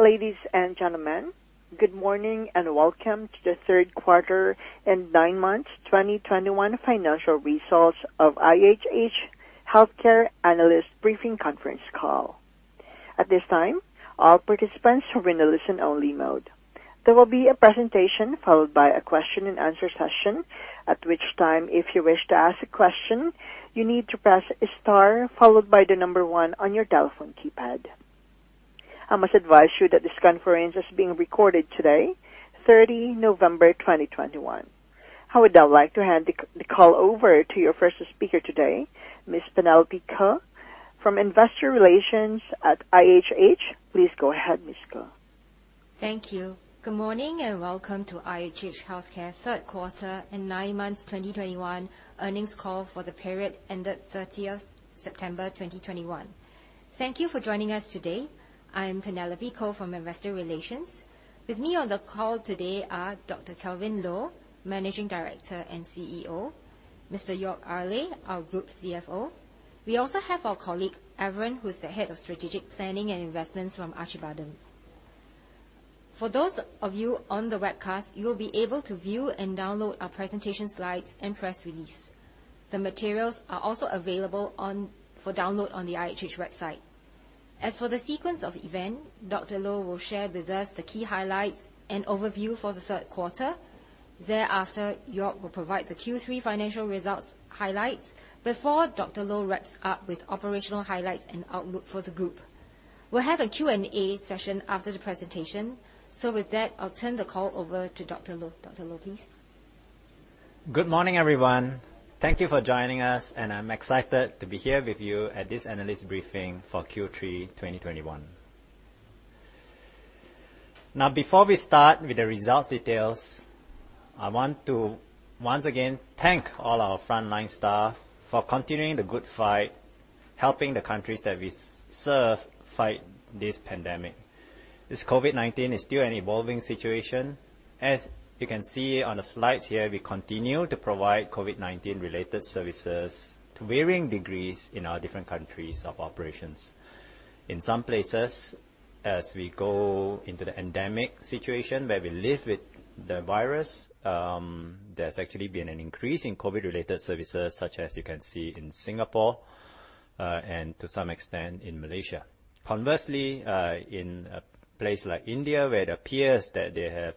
Ladies and gentlemen, good morning, and welcome to the third quarter and nine months 2021 financial results of IHH Healthcare analyst briefing conference call. At this time, all participants are in a listen-only mode. There will be a presentation followed by a question-and-answer session. At which time, if you wish to ask a question, you need to press star followed by one on your telephone keypad. I must advise you that this conference is being recorded today, 30 November 2021. I would now like to hand the call over to your first speaker today, Ms. Penelope Koh from Investor Relations at IHH. Please go ahead, Ms. Koh. Thank you. Good morning, and welcome to IHH Healthcare third quarter and nine months 2021 earnings call for the period ended 30 September 2021. Thank you for joining us today. I am Penelope Koh from Investor Relations. With me on the call today are Dr. Kelvin Loh, Managing Director and CEO, Mr. Joerg Ayrle, our Group CFO. We also have our colleague, Evren, who's the Head of Strategic Planning and Investments from Acıbadem. For those of you on the webcast, you will be able to view and download our presentation slides and press release. The materials are also available for download on the IHH website. As for the sequence of events, Dr. Loh will share with us the key highlights and overview for the third quarter. Thereafter, Joerg will provide the Q3 financial results highlights before Dr. Loh wraps up with operational highlights and outlook for the group. We'll have a Q&A session after the presentation. With that, I'll turn the call over to Dr. Loh. Dr. Loh, please. Good morning, everyone. Thank you for joining us, and I'm excited to be here with you at this analyst briefing for Q3 2021. Now, before we start with the results details, I want to once again thank all our frontline staff for continuing the good fight, helping the countries that we serve fight this pandemic. This COVID-19 is still an evolving situation. As you can see on the slides here, we continue to provide COVID-19 related services to varying degrees in our different countries of operations. In some places, as we go into the endemic situation where we live with the virus, there's actually been an increase in COVID related services such as you can see in Singapore and to some extent in Malaysia. Conversely, in a place like India, where it appears that they have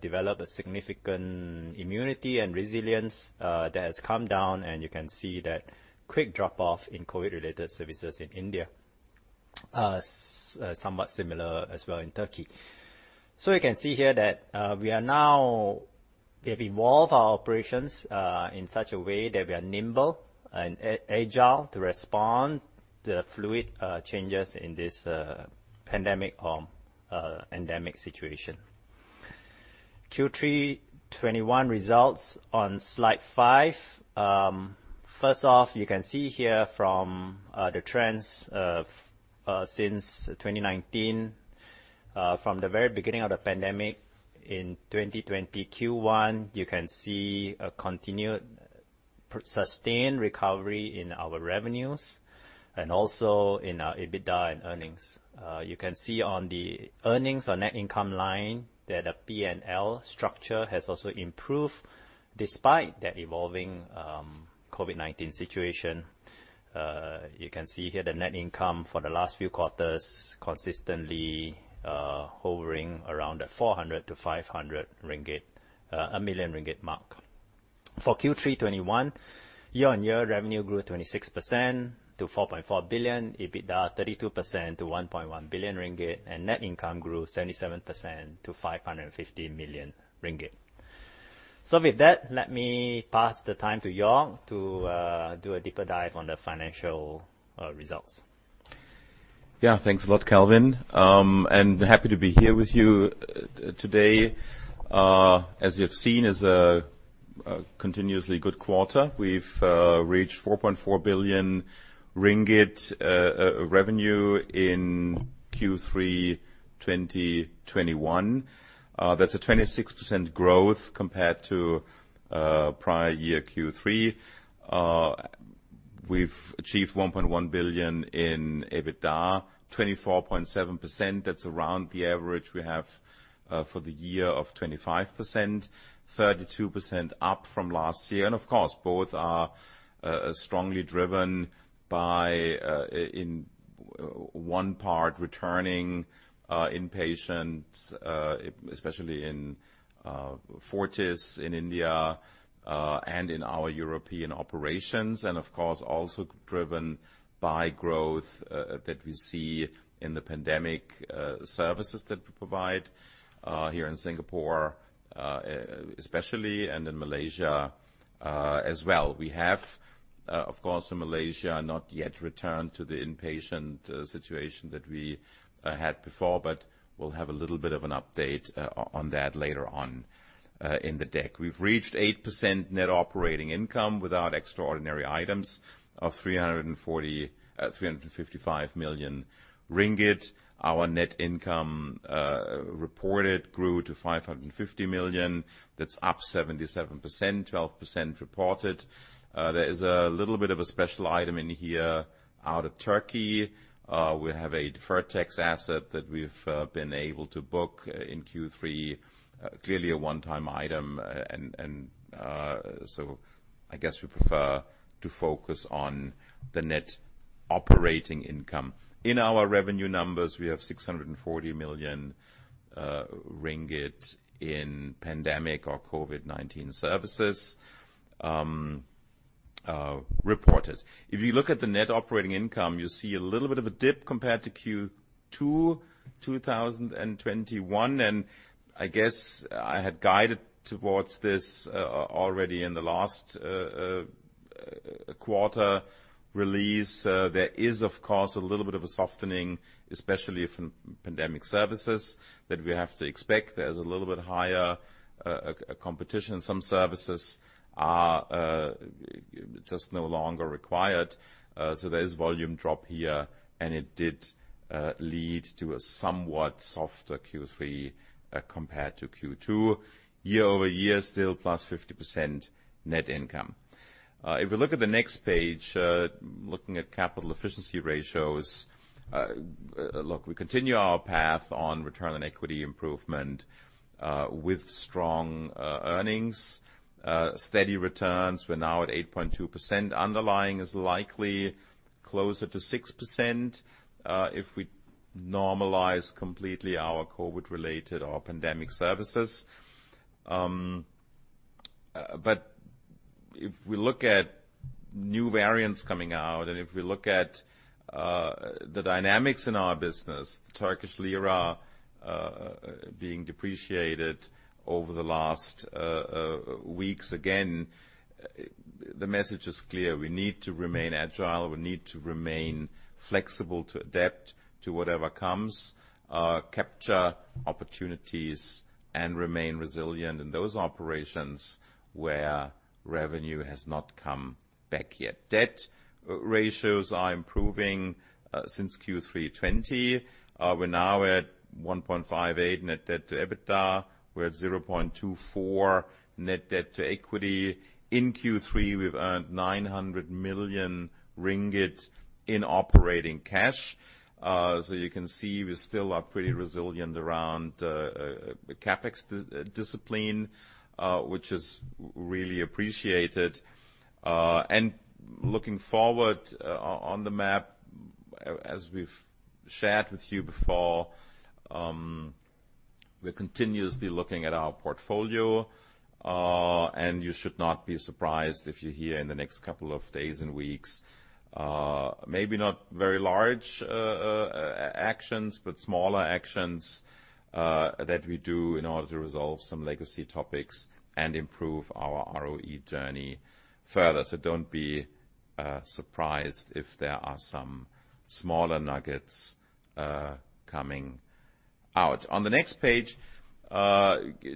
developed a significant immunity and resilience, that has come down, and you can see that quick drop-off in COVID related services in India. Somewhat similar as well in Turkey. You can see here that we have evolved our operations in such a way that we are nimble and agile to respond to the fluid changes in this pandemic or endemic situation. Q3 2021 results on slide five. First off, you can see here from the trends since 2019 from the very beginning of the pandemic in 2020 Q1, you can see a continued sustained recovery in our revenues and also in our EBITDA and earnings. You can see on the earnings or net income line that a P&L structure has also improved despite that evolving COVID-19 situation. You can see here the net income for the last few quarters consistently hovering around the 400 million ringgit-MYR500 million mark. For Q3 2021, year-on-year revenue grew 26% to 4.4 billion, EBITDA 32% to 1.1 billion ringgit, and net income grew 77% to 550 million ringgit. With that, let me pass the time to Joerg to do a deeper dive on the financial results. Yeah. Thanks a lot, Kelvin. Happy to be here with you today. As you've seen, it's a continuously good quarter. We've reached 4.4 billion ringgit revenue in Q3 2021. That's a 26% growth compared to prior year Q3. We've achieved 1.1 billion in EBITDA, 24.7%. That's around the average we have for the year of 25%. 32% up from last year. Of course, both are strongly driven by in one part, returning inpatients, especially in Fortis in India, and in our European operations. Of course, also driven by growth that we see in the pandemic services that we provide here in Singapore, especially and in Malaysia as well. We have, of course, in Malaysia, not yet returned to the inpatient situation that we had before, but we'll have a little bit of an update on that later on in the deck. We've reached 8% net operating income without extraordinary items of 355 million ringgit. Our net income reported grew to 550 million. That's up 77%, 12% reported. There is a little bit of a special item in here. Out of Turkey, we have a deferred tax asset that we've been able to book in Q3. Clearly a one-time item. I guess we prefer to focus on the net operating income. In our revenue numbers, we have 640 million ringgit in pandemic or COVID-19 services reported. If you look at the net operating income, you see a little bit of a dip compared to Q2 2021, and I guess I had guided towards this already in the last quarter release. There is, of course, a little bit of a softening, especially from pandemic services that we have to expect. There's a little bit higher competition. Some services are just no longer required, so there is volume drop here, and it did lead to a somewhat softer Q3 compared to Q2. Year-over-year still +50% net income. If we look at the next page, looking at capital efficiency ratios. Look, we continue our path on return on equity improvement, with strong earnings, steady returns. We're now at 8.2%. Underlying is likely closer to 6%, if we normalize completely our COVID-related or pandemic services. If we look at new variants coming out, and if we look at the dynamics in our business, the Turkish lira being depreciated over the last weeks, again, the message is clear. We need to remain agile. We need to remain flexible to adapt to whatever comes, capture opportunities and remain resilient in those operations where revenue has not come back yet. Debt ratios are improving since Q3 2020. We're now at 1.58 net debt to EBITDA. We're at 0.24 net debt to equity. In Q3, we've earned 900 million ringgit in operating cash. You can see we still are pretty resilient around CapEx discipline, which is really appreciated. Looking forward, on the map, as we've shared with you before, we're continuously looking at our portfolio, and you should not be surprised if you hear in the next couple of days and weeks, maybe not very large actions, but smaller actions, that we do in order to resolve some legacy topics and improve our ROE journey further. Don't be surprised if there are some smaller nuggets coming out. On the next page,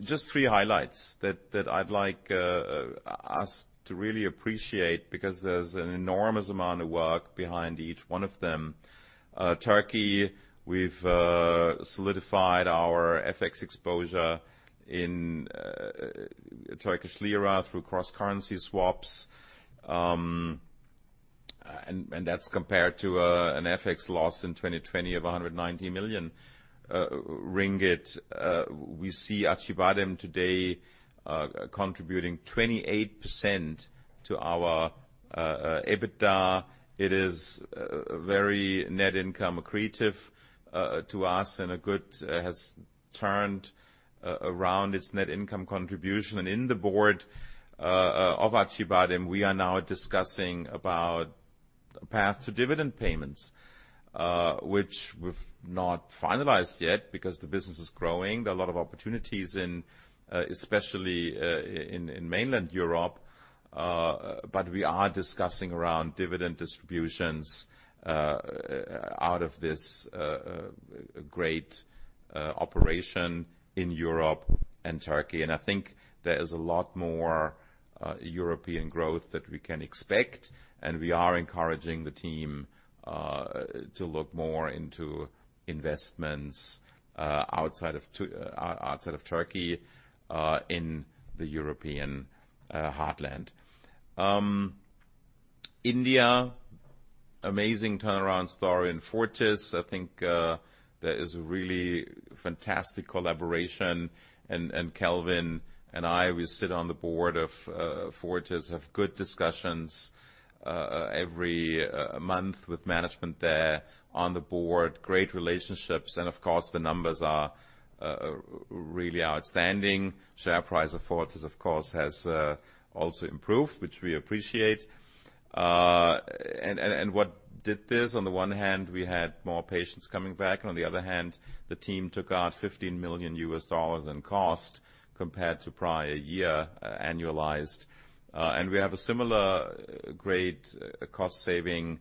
just three highlights that I'd like us to really appreciate because there's an enormous amount of work behind each one of them. Turkey, we've solidified our FX exposure in Turkish lira through cross-currency swaps. And that's compared to an FX loss in 2020 of 190 million ringgit. We see Acıbadem today contributing 28% to our EBITDA. It is very net income accretive to us and has turned around its net income contribution. In the board of Acıbadem, we are now discussing about a path to dividend payments, which we've not finalized yet because the business is growing. There are a lot of opportunities in especially in mainland Europe, but we are discussing around dividend distributions out of this great operation in Europe and Turkey. I think there is a lot more European growth that we can expect, and we are encouraging the team to look more into investments outside of Turkey in the European heartland. India, amazing turnaround story in Fortis. I think there is a really fantastic collaboration. Kelvin and I, we sit on the board of Fortis, have good discussions every month with management there on the board. Great relationships. Of course, the numbers are really outstanding. Share price of Fortis, of course, has also improved, which we appreciate. What drove this, on the one hand, we had more patients coming back. On the other hand, the team took out $15 million in cost compared to prior year, annualized. We have a similar great cost saving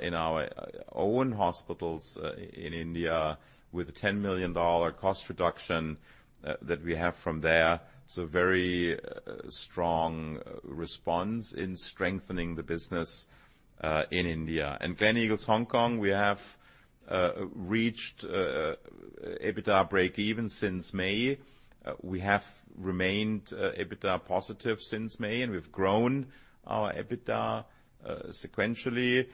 in our own hospitals in India with a $10 million cost reduction that we have from there. Very strong response in strengthening the business in India. Gleneagles Hong Kong, we have reached EBITDA breakeven since May. We have remained EBITDA positive since May, and we've grown our EBITDA sequentially.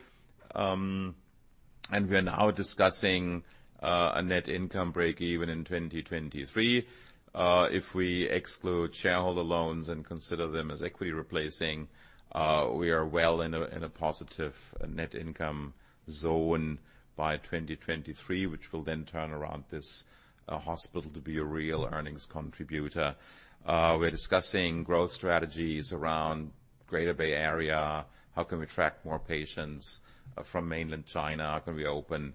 We are now discussing a net income breakeven in 2023. If we exclude shareholder loans and consider them as equity replacing, we are well in a positive net income zone by 2023, which will then turn around this hospital to be a real earnings contributor. We're discussing growth strategies around Greater Bay Area. How can we attract more patients from mainland China? Can we open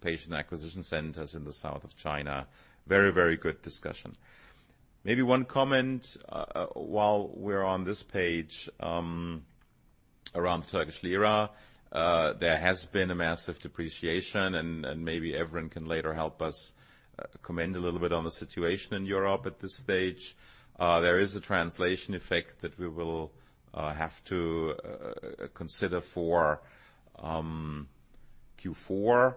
patient acquisition centers in the south of China? Very, very good discussion. Maybe one comment while we're on this page around the Turkish lira. There has been a massive depreciation, and maybe everyone can later help us comment a little bit on the situation in Europe at this stage. There is a translation effect that we will have to consider for Q4,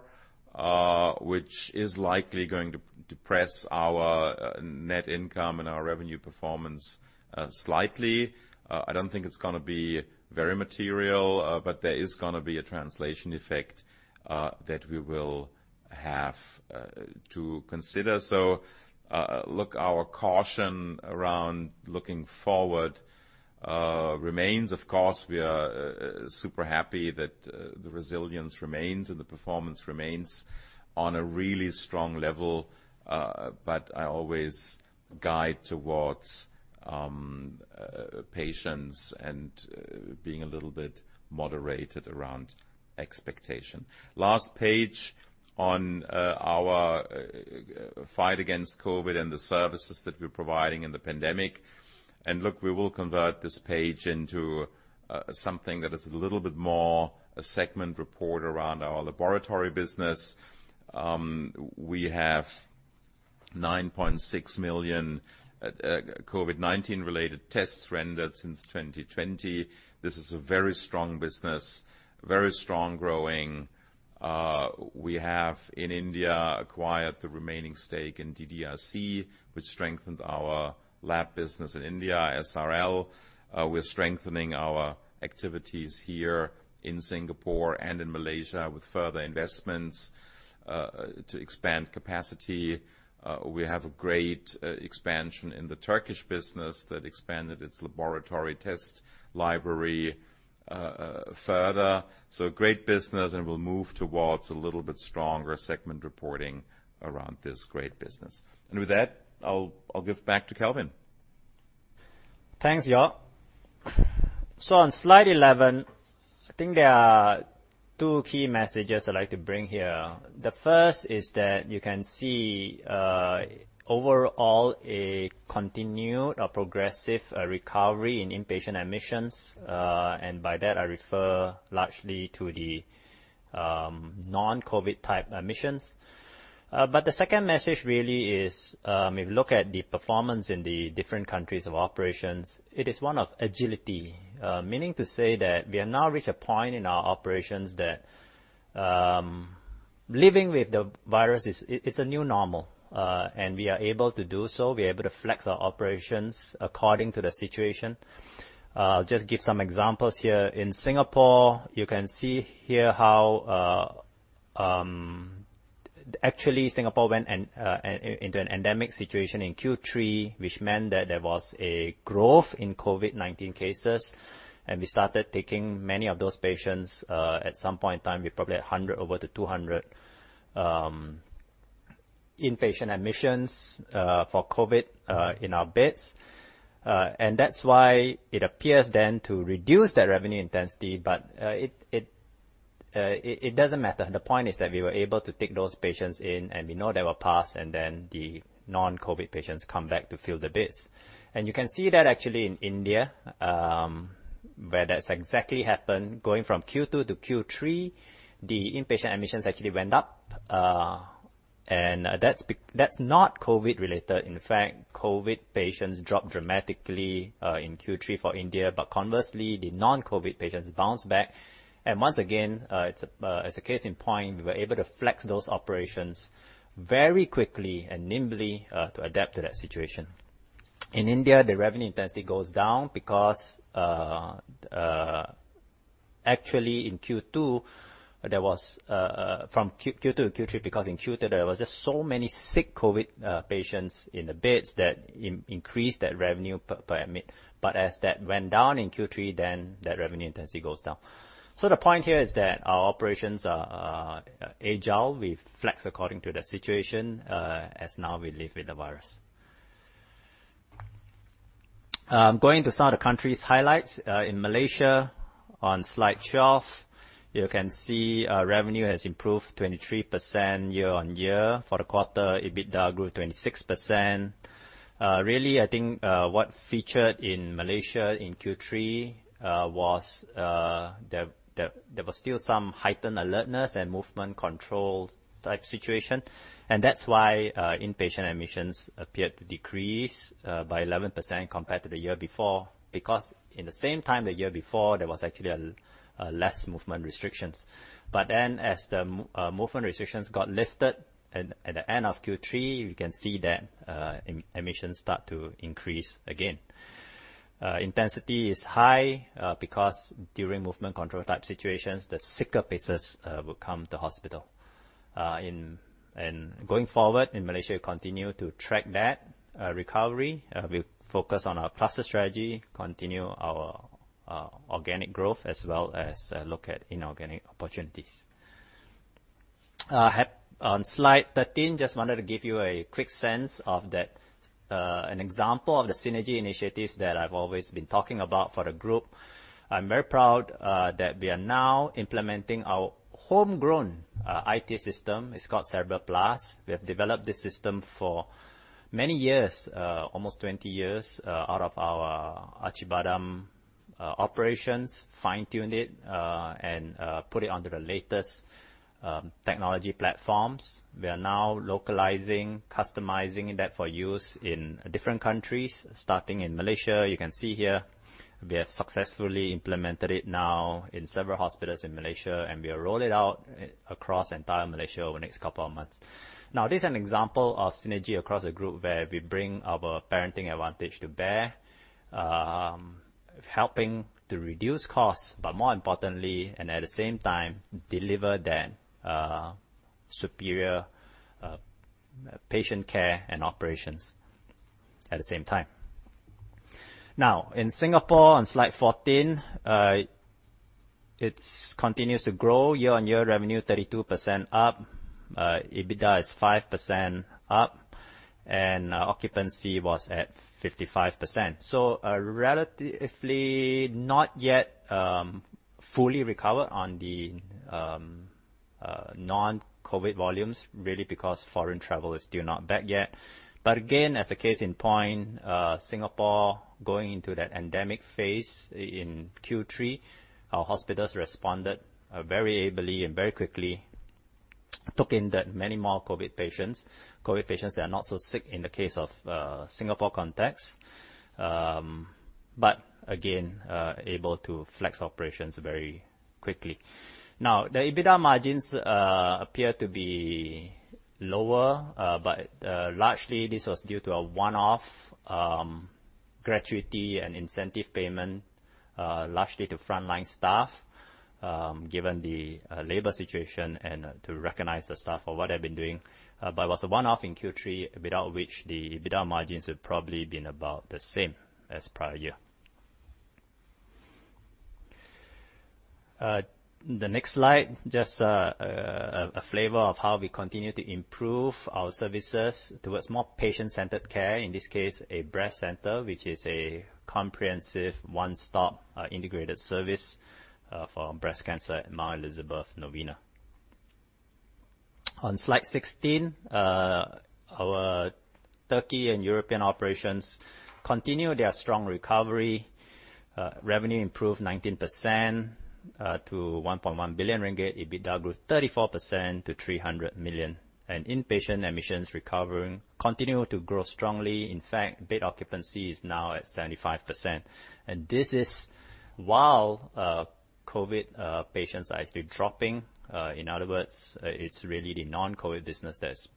which is likely going to depress our net income and our revenue performance slightly. I don't think it's gonna be very material, but there is gonna be a translation effect that we will have to consider. Look, our caution around looking forward remains. Of course, we are super happy that the resilience remains and the performance remains on a really strong level. I always guide towards patience and being a little bit moderated around expectation. Last page on our fight against COVID and the services that we're providing in the pandemic. Look, we will convert this page into something that is a little bit more a segment report around our laboratory business. We have 9.6 million COVID-19 related tests rendered since 2020. This is a very strong business, very strong growing. We have in India acquired the remaining stake in DDRC, which strengthened our lab business in India, SRL. We're strengthening our activities here in Singapore and in Malaysia with further investments to expand capacity. We have a great expansion in the Turkish business that expanded its laboratory test library further. Great business, and we'll move towards a little bit stronger segment reporting around this great business. With that, I'll give back to Kelvin. Thanks, y'all. On slide 11, I think there are two key messages I'd like to bring here. The first is that you can see, overall a continued or progressive recovery in inpatient admissions. By that I refer largely to the non-COVID type admissions. The second message really is, if you look at the performance in the different countries of operations, it is one of agility. Meaning to say that we have now reached a point in our operations that living with the virus is a new normal, and we are able to do so. We're able to flex our operations according to the situation. Just give some examples here. In Singapore, you can see here how... Actually, Singapore went into an endemic situation in Q3, which meant that there was a growth in COVID-19 cases. We started taking many of those patients. At some point in time, we probably had over 100 to 200 inpatient admissions for COVID in our beds. That's why it appears to reduce the revenue intensity, but it doesn't matter. The point is that we were able to take those patients in, and we know they will pass, and then the non-COVID patients come back to fill the beds. You can see that actually in India, where that's exactly happened, going from Q2 to Q3, the inpatient admissions actually went up. That's not COVID related. In fact, COVID patients dropped dramatically in Q3 for India. Conversely, the non-COVID patients bounced back. Once again, it's a case in point, we were able to flex those operations very quickly and nimbly to adapt to that situation. In India, the revenue intensity goes down because actually in Q2, there was from Q2 to Q3, because in Q2, there was just so many sick COVID patients in the beds that increased that revenue per admit. As that went down in Q3, then that revenue intensity goes down. The point here is that our operations are agile. We flex according to the situation as now we live with the virus. Going to some of the countries highlights. In Malaysia on slide 12, you can see revenue has improved 23% year-on-year. For the quarter, EBITDA grew 26%. Really, I think what featured in Malaysia in Q3 was there was still some heightened alertness and movement control type situation. That's why inpatient admissions appeared to decrease by 11% compared to the year before. Because in the same time the year before, there was actually less movement restrictions. As the movement restrictions got lifted at the end of Q3, you can see that admissions start to increase again. Intensity is high because during movement control type situations, the sicker patients will come to hospital. Going forward, in Malaysia, we continue to track that recovery. We focus on our cluster strategy, continue our organic growth, as well as look at inorganic opportunities. Have slide 13, just wanted to give you a quick sense of an example of the synergy initiatives that I've always been talking about for the group. I'm very proud that we are now implementing our homegrown IT system. It's called Cerebral Plus. We have developed this system for many years, almost 20 years, out of our Acıbadem operations, fine-tuned it, and put it onto the latest technology platforms. We are now localizing, customizing that for use in different countries, starting in Malaysia. You can see here, we have successfully implemented it now in several hospitals in Malaysia, and we are rolling it out across entire Malaysia over the next couple of months. Now, this is an example of synergy across a group, where we bring our parenting advantage to bear, helping to reduce costs, but more importantly, and at the same time, deliver the superior patient care and operations at the same time. Now, in Singapore, on slide 14, it continues to grow. Year-on-year revenue 32% up. EBITDA is 5% up, and occupancy was at 55%. So relatively not yet fully recovered on the non-COVID volumes, really because foreign travel is still not back yet. But again, as a case in point, Singapore going into that endemic phase in Q3, our hospitals responded very ably and very quickly, took in the many more COVID patients. COVID patients that are not so sick in the case of Singapore context. But again, able to flex operations very quickly. Now, the EBITDA margins appear to be lower, but largely this was due to a one-off gratuity and incentive payment largely to frontline staff given the labor situation and to recognize the staff for what they've been doing. It was a one-off in Q3, without which the EBITDA margins would probably been about the same as prior year. The next slide, just a flavor of how we continue to improve our services towards more patient-centered care, in this case, a breast center, which is a comprehensive one-stop integrated service for breast cancer at Mount Elizabeth Novena. On slide 16, our Turkey and European operations continue their strong recovery. Revenue improved 19% to 1.1 billion ringgit. EBITDA grew 34% to 300 million. Inpatient admissions recovering continue to grow strongly. In fact, bed occupancy is now at 75%. This is while COVID patients are actually dropping. In other words, it's really the non-COVID business that's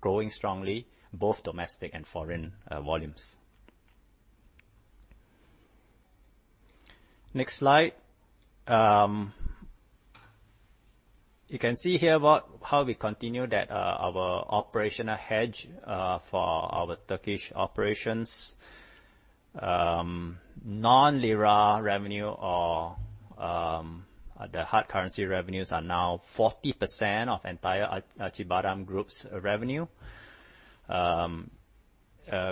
growing strongly, both domestic and foreign volumes. Next slide. You can see here about how we continue that our operational hedge for our Turkish operations. Non-lira revenue or the hard currency revenues are now 40% of entire Acıbadem Group's revenue,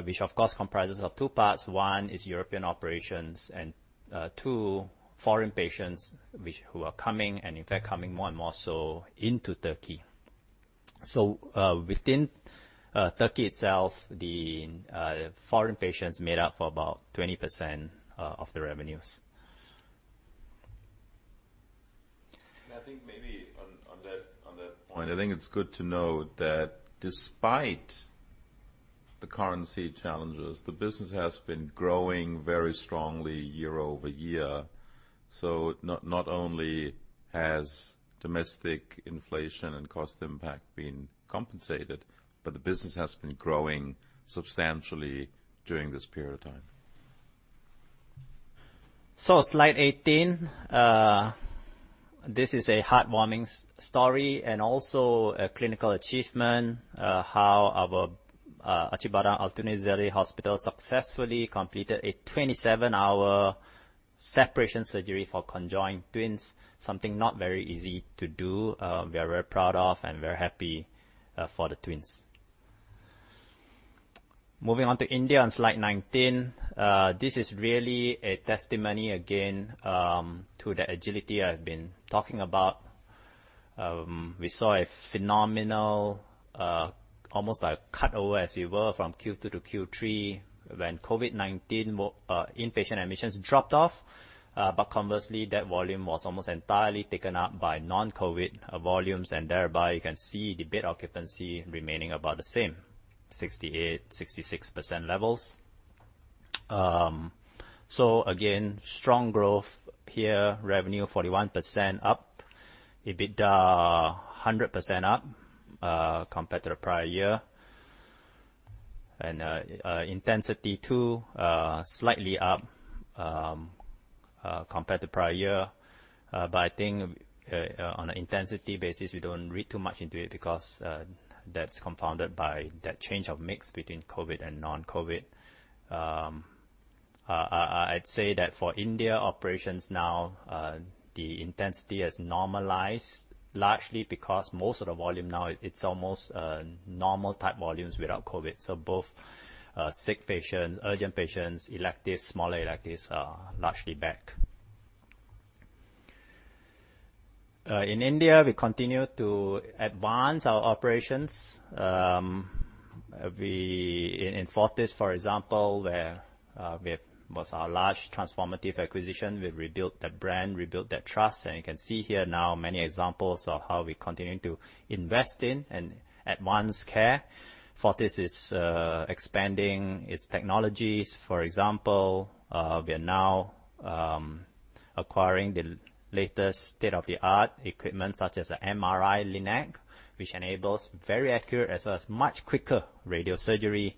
which of course comprises of two parts. One is European operations, and two, foreign patients who are coming, and in fact, coming more and more so into Turkey. Within Turkey itself, the foreign patients made up for about 20% of the revenues. I think maybe on that point, I think it's good to note that despite the currency challenges, the business has been growing very strongly year-over-year. Not only has domestic inflation and cost impact been compensated, but the business has been growing substantially during this period of time. Slide 18. This is a heartwarming story and also a clinical achievement, how our Acıbadem Altunizade Hospital successfully completed a 27-hour separation surgery for conjoined twins, something not very easy to do. We are very proud of and very happy for the twins. Moving on to India on Slide 19. This is really a testimony again to the agility I've been talking about. We saw a phenomenal almost like cut over as it were from Q2 to Q3 when COVID-19 in-patient admissions dropped off. But conversely, that volume was almost entirely taken up by non-COVID volumes, and thereby you can see the bed occupancy remaining about the same, 68%, 66% levels. Again, strong growth here. Revenue 41% up. EBITDA 100% up, compared to the prior year. Intensity too slightly up compared to prior year. I think on an intensity basis, we don't read too much into it because that's compounded by that change of mix between COVID and non-COVID. I'd say that for India operations now, the intensity has normalized largely because most of the volume now it's almost normal type volumes without COVID. Both sick patients, urgent patients, electives, small electives are largely back. In India, we continue to advance our operations. In Fortis, for example, which was our large transformative acquisition. We've rebuilt that brand, rebuilt that trust, and you can see here now many examples of how we're continuing to invest in and advance care. Fortis is expanding its technologies. For example, we are now acquiring the latest state-of-the-art equipment, such as the MRI-LINAC, which enables very accurate as well as much quicker radiosurgery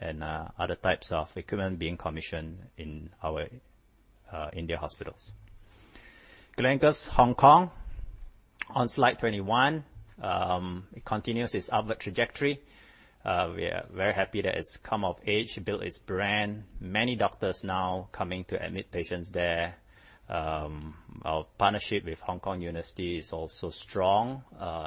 and other types of equipment being commissioned in our Indian hospitals. Gleneagles Hong Kong on slide 21, it continues its upward trajectory. We are very happy that it's come of age, built its brand. Many doctors now coming to admit patients there. Our partnership with The University of Hong Kong is also strong.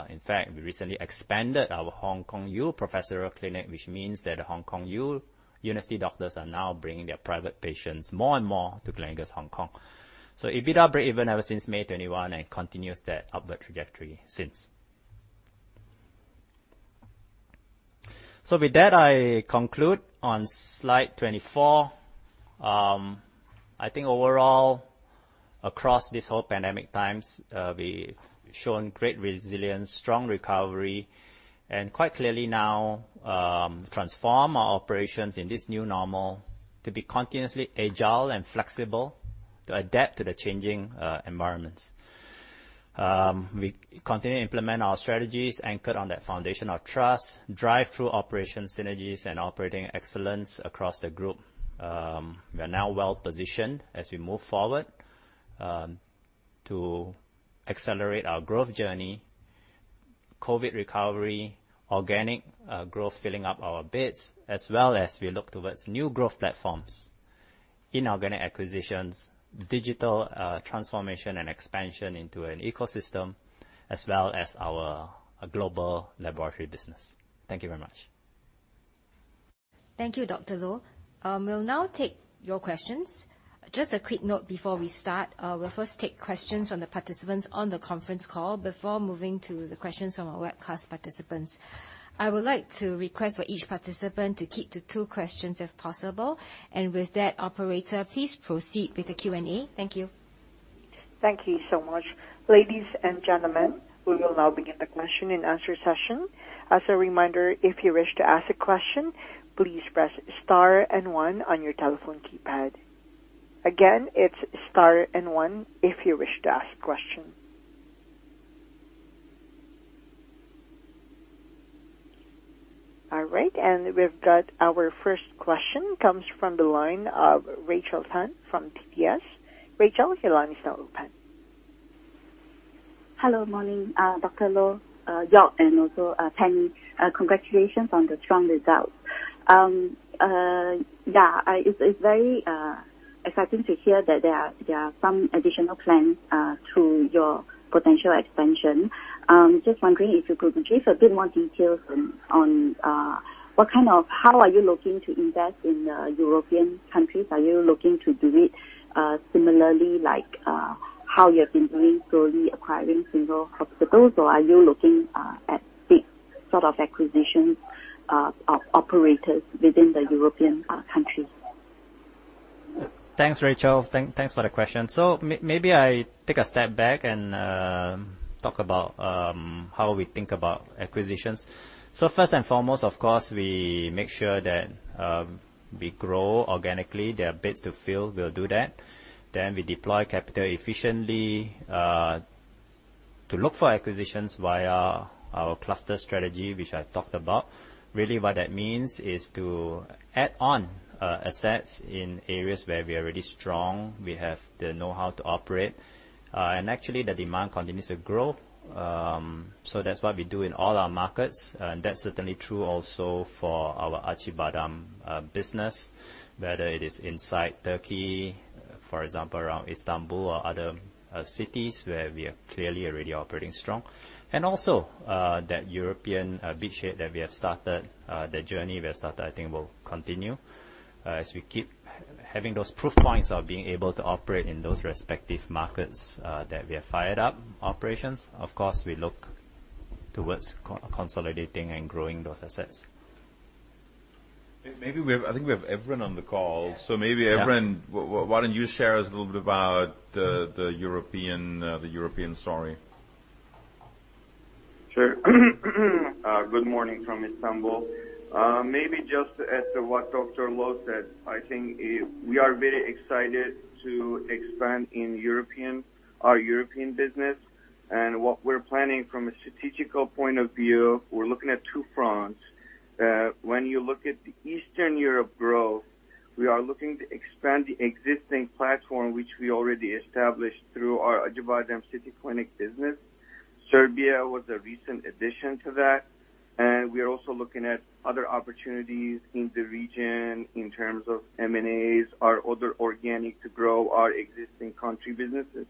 In fact, we recently expanded our HKU professor clinic, which means that HKU university doctors are now bringing their private patients more and more to Gleneagles Hong Kong. EBITDA breakeven ever since May 2021 and continues that upward trajectory since. With that, I conclude on slide 24. I think overall, across this whole pandemic times, we've shown great resilience, strong recovery, and quite clearly now transform our operations in this new normal to be continuously agile and flexible, to adapt to the changing environments. We continue to implement our strategies anchored on that foundation of trust, drive-through operation synergies and operating excellence across the group. We are now well-positioned as we move forward to accelerate our growth journey, COVID recovery, organic growth, filling up our beds, as well as we look towards new growth platforms, inorganic acquisitions, digital transformation and expansion into an ecosystem, as well as our global laboratory business. Thank you very much. Thank you, Dr. Loh. We'll now take your questions. Just a quick note before we start. We'll first take questions from the participants on the conference call before moving to the questions from our webcast participants. I would like to request for each participant to keep to two questions if possible. With that, operator, please proceed with the Q&A. Thank you. Thank you so much. Ladies and gentlemen, we will now begin the question and answer session. As a reminder, if you wish to ask a question, please press star and one on your telephone keypad. Again, it's star and one if you wish to ask a question. All right. We've got our first question comes from the line of Rachel Tan from DBS. Rachel, your line is now open. Hello. Morning, Dr. Loh, Joerg, and also, Penny. Congratulations on the strong results. Yeah, it's very exciting to hear that there are some additional plans to your potential expansion. Just wondering if you could give a bit more details on what kind of. How are you looking to invest in European countries? Are you looking to do it similarly, like how you have been doing slowly acquiring single hospitals? Or are you looking at big sort of acquisitions, operators within the European countries? Thanks, Rachel. Thanks for the question. Maybe I take a step back and talk about how we think about acquisitions. First and foremost, of course, we make sure that we grow organically. There are beds to fill, we'll do that. Then we deploy capital efficiently to look for acquisitions via our cluster strategy, which I've talked about. Really, what that means is to add on assets in areas where we are already strong, we have the know-how to operate, and actually the demand continues to grow. That's what we do in all our markets. That's certainly true also for our Acıbadem business, whether it is inside Turkey, for example, around Istanbul or other cities where we are clearly already operating strong. Also, that European beachhead that we have started, the journey we have started, I think will continue. As we keep having those proof points of being able to operate in those respective markets that we have fired up operations, of course, we look towards consolidating and growing those assets. Maybe we have. I think we have Evren on the call. Yeah. Maybe Evren. Yeah. Why don't you share us a little bit about the European story? Sure. Good morning from Istanbul. Maybe just as to what Dr. Loh said, I think, we are very excited to expand our European business. What we're planning from a strategic point of view, we're looking at two fronts. When you look at the Eastern Europe growth, we are looking to expand the existing platform which we already established through our Acıbadem City Clinic business. Serbia was a recent addition to that. We are also looking at other opportunities in the region in terms of M&As or other organic to grow our existing country businesses.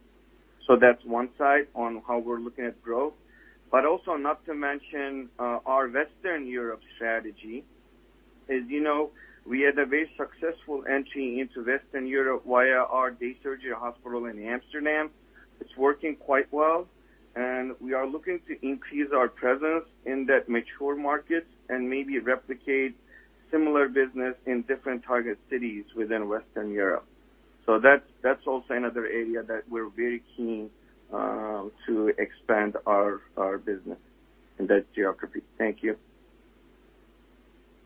That's one side on how we're looking at growth. Also not to mention, our Western Europe strategy. As you know, we had a very successful entry into Western Europe via our day surgery hospital in Amsterdam. It's working quite well, and we are looking to increase our presence in that mature market and maybe replicate similar business in different target cities within Western Europe. That's also another area that we're very keen to expand our business in that geography. Thank you.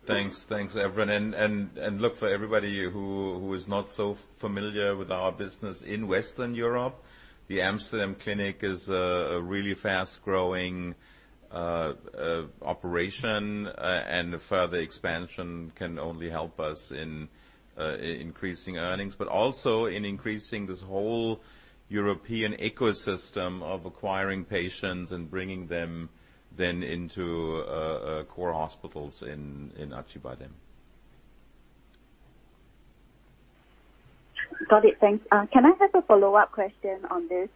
Thanks. Thanks, Evren. Look, for everybody who is not so familiar with our business in Western Europe, the Amsterdam clinic is a really fast-growing operation, and a further expansion can only help us in increasing earnings, but also in increasing this whole European ecosystem of acquiring patients and bringing them then into core hospitals in Acıbadem. Got it. Thanks. Can I have a follow-up question on this?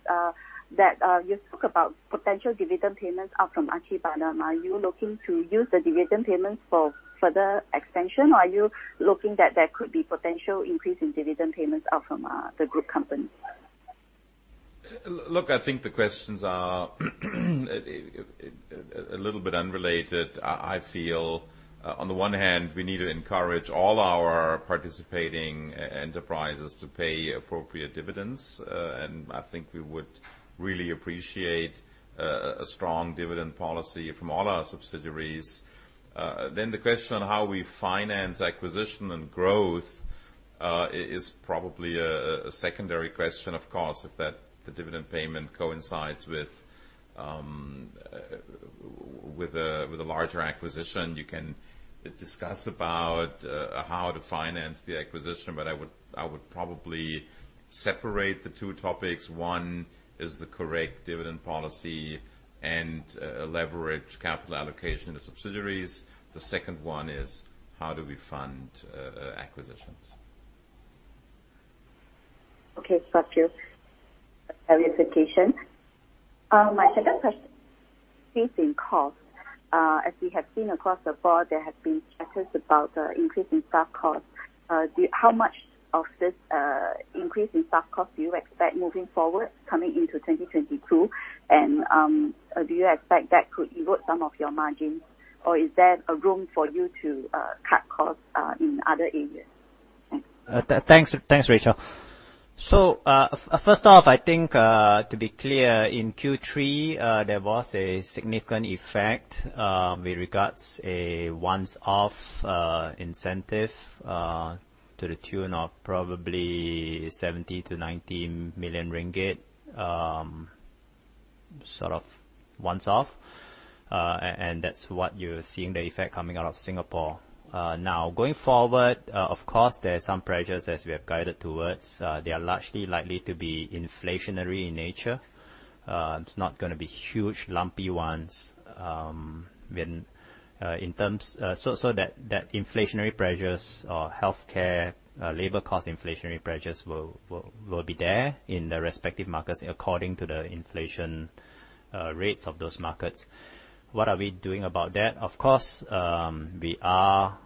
You spoke about potential dividend payments out from Acıbadem. Are you looking to use the dividend payments for further expansion, or are you looking that there could be potential increase in dividend payments out from the group company? Look, I think the questions are a little bit unrelated. I feel, on the one hand, we need to encourage all our participating enterprises to pay appropriate dividends. I think we would really appreciate a strong dividend policy from all our subsidiaries. The question on how we finance acquisition and growth is probably a secondary question, of course, if that the dividend payment coincides with a larger acquisition. You can discuss about how to finance the acquisition, but I would probably separate the two topics. One is the correct dividend policy and leverage capital allocation to subsidiaries. The second one is how do we fund acquisitions. Okay. Got you. Have your attention. My second question, increasing cost. As we have seen across the board, there have been chatters about increase in staff costs. How much of this increase in staff cost do you expect moving forward coming into 2022? Do you expect that could erode some of your margins, or is there a room for you to cut costs in other areas? Thanks. Thanks, Rachel. First off, I think to be clear, in Q3 there was a significant effect with regards to a one-off incentive to the tune of probably 70 million-90 million ringgit, sort of one off. That's what you're seeing, the effect coming out of Singapore. Now, going forward, of course, there are some pressures as we have guided towards. They are largely likely to be inflationary in nature. It's not gonna be huge lumpy ones. So that inflationary pressures on healthcare labor cost inflationary pressures will be there in the respective markets according to the inflation rates of those markets. What are we doing about that? Of course, we are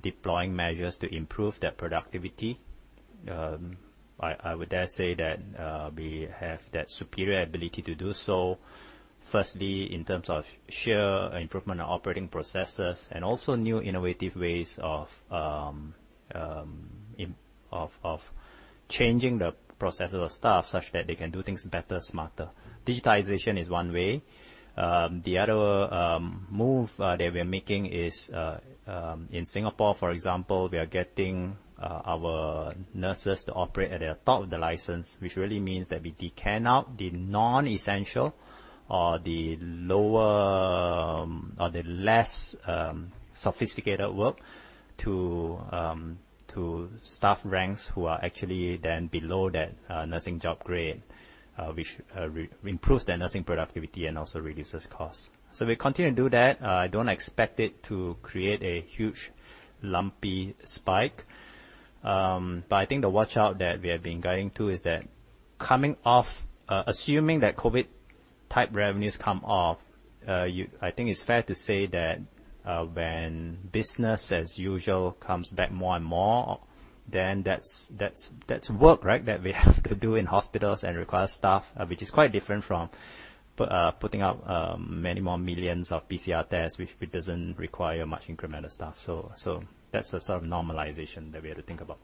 deploying measures to improve their productivity. I would dare say that we have that superior ability to do so. Firstly, in terms of sheer improvement of operating processes and also new innovative ways of changing the processes of staff such that they can do things better, smarter. Digitization is one way. The other move that we're making is in Singapore, for example, we are getting our nurses to operate at the top of the license, which really means that we delegate the non-essential or the lower or the less sophisticated work to staff ranks who are actually then below that nursing job grade, which improves their nursing productivity and also reduces costs. We continue to do that. I don't expect it to create a huge lumpy spike. I think the watch out that we have been guiding to is that coming off, assuming that COVID-type revenues come off, I think it's fair to say that, when business as usual comes back more and more, then that's work, right? That we have to do in hospitals and require staff, which is quite different from putting up many more millions of PCR tests, which doesn't require much incremental staff. That's the sort of normalization that we had to think about.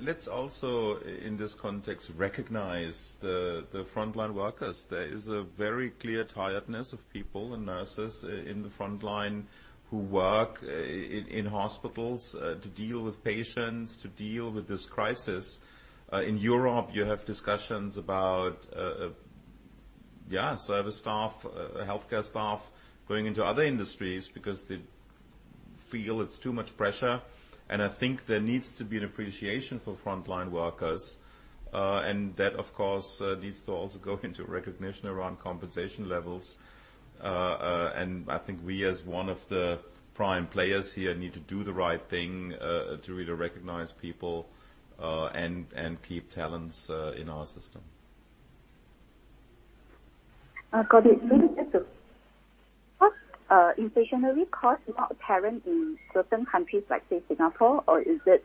Let's also in this context recognize the frontline workers. There is a very clear tiredness of people and nurses in the frontline who work in hospitals to deal with patients, to deal with this crisis. In Europe, you have discussions about service staff, healthcare staff going into other industries because they feel it's too much pressure. I think there needs to be an appreciation for frontline workers. That, of course, needs to also go into recognition around compensation levels. I think we, as one of the prime players here, need to do the right thing to really recognize people and keep talents in our system. Got it. Are inflationary costs more apparent in certain countries like, say, Singapore, or is it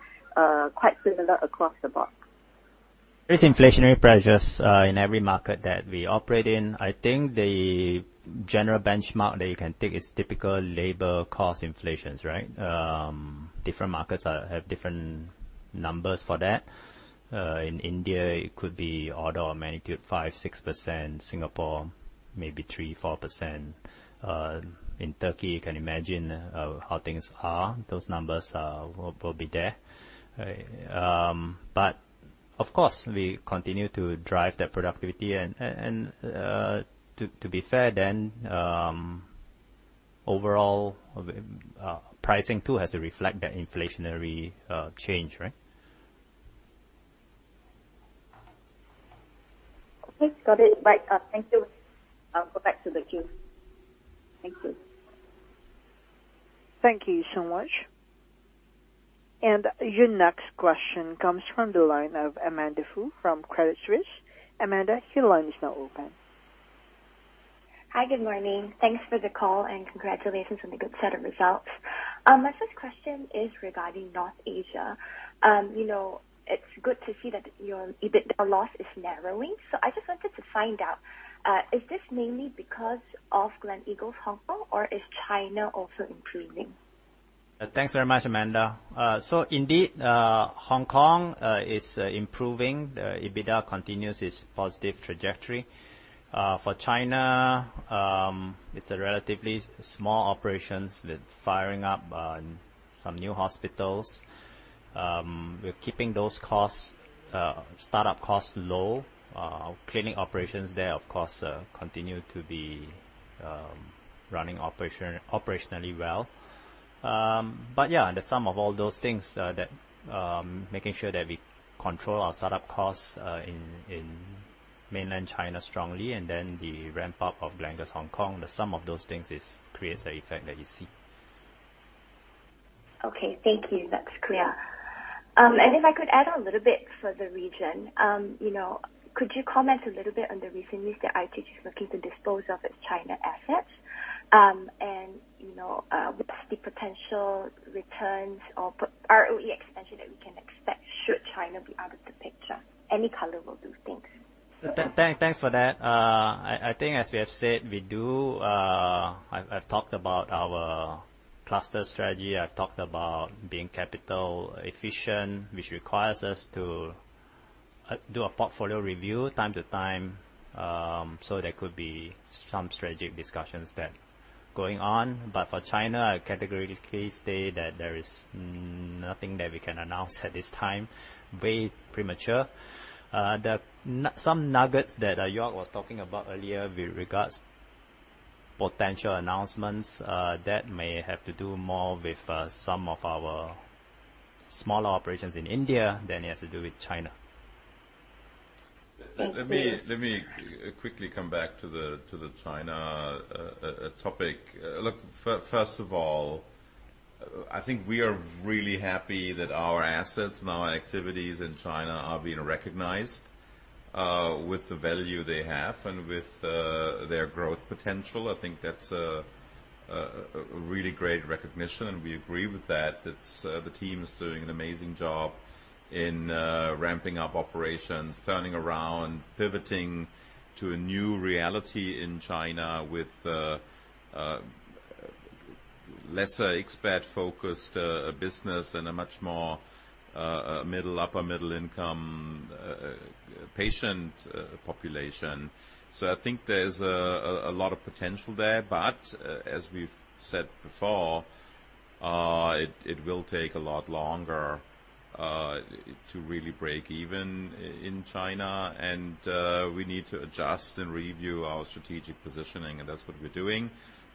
quite similar across the board? There's inflationary pressures in every market that we operate in. I think the general benchmark that you can take is typical labor cost inflations, right? Different markets have different numbers for that. In India, it could be order of magnitude 5%-6%. Singapore, maybe 3%-4%. In Turkey, you can imagine how things are. Those numbers will be there. Of course, we continue to drive that productivity and to be fair then, overall, pricing too has to reflect that inflationary change, right? Okay. Got it. Right. Thank you. I'll go back to the queue. Thank you. Thank you so much. Your next question comes from the line of Amanda Foo from Credit Suisse. Amanda, your line is now open. Hi. Good morning. Thanks for the call, and congratulations on the good set of results. My first question is regarding North Asia. You know, it's good to see that your EBITDA loss is narrowing. I just wanted to find out, is this mainly because of Gleneagles Hong Kong, or is China also improving? Thanks very much, Amanda. Indeed, Hong Kong is improving. The EBITDA continues its positive trajectory. For China, it's a relatively small operations. We're firing up some new hospitals. We're keeping those startup costs low. Cleaning operations there, of course, continue to be running operationally well. But the sum of all those things making sure that we control our startup costs in mainland China strongly, and then the ramp-up of Gleneagles Hong Kong. The sum of those things creates the effect that you see. Okay. Thank you. That's clear. If I could add a little bit for the region. You know, could you comment a little bit on the recent news that IHH is looking to dispose of its China assets? You know, what's the potential returns or ROE expansion that we can expect should China be out of the picture? Any color will do, thanks. Thanks for that. I think as we have said, we do. I've talked about our cluster strategy, I've talked about being capital efficient, which requires us to do a portfolio review from time to time. There could be some strategic discussions that are going on. For China, I categorically state that there is nothing that we can announce at this time. Very premature. Some nuggets that Joerg was talking about earlier with regards to potential announcements, that may have to do more with some of our smaller operations in India than it has to do with China. Let me quickly come back to the China topic. Look, first of all, I think we are really happy that our assets and our activities in China are being recognized with the value they have and with their growth potential. I think that's a really great recognition, and we agree with that. It's the team's doing an amazing job in ramping up operations, turning around, pivoting to a new reality in China with lesser expat-focused business and a much more middle upper middle income patient population. I think there's a lot of potential there. As we've said before, it will take a lot longer to really break even in China. We need to adjust and review our strategic positioning, and that's what we're doing.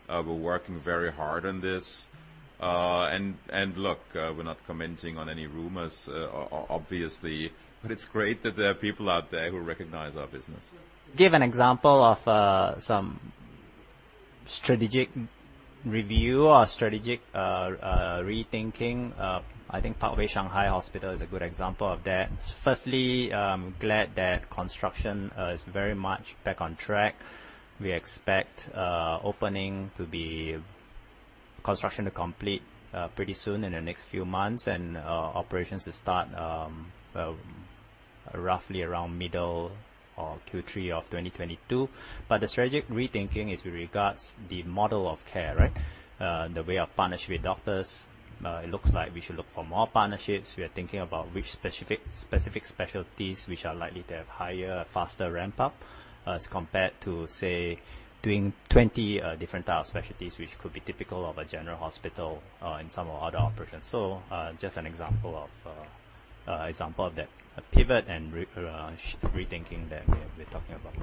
We're working very hard on this. We're not commenting on any rumors, obviously, but it's great that there are people out there who recognize our business. Give an example of some strategic review or strategic rethinking. I think Parkway Shanghai Hospital is a good example of that. Firstly, I'm glad that construction is very much back on track. We expect construction to complete pretty soon in the next few months and operations to start roughly around middle or Q3 of 2022. The strategic rethinking is with regards the model of care, right? The way our partnership with doctors. It looks like we should look for more partnerships. We are thinking about which specific specialties which are likely to have higher, faster ramp-up as compared to, say, doing 20 different type specialties, which could be typical of a general hospital in some other operations. Just an example of that pivot and rethinking that we're talking about.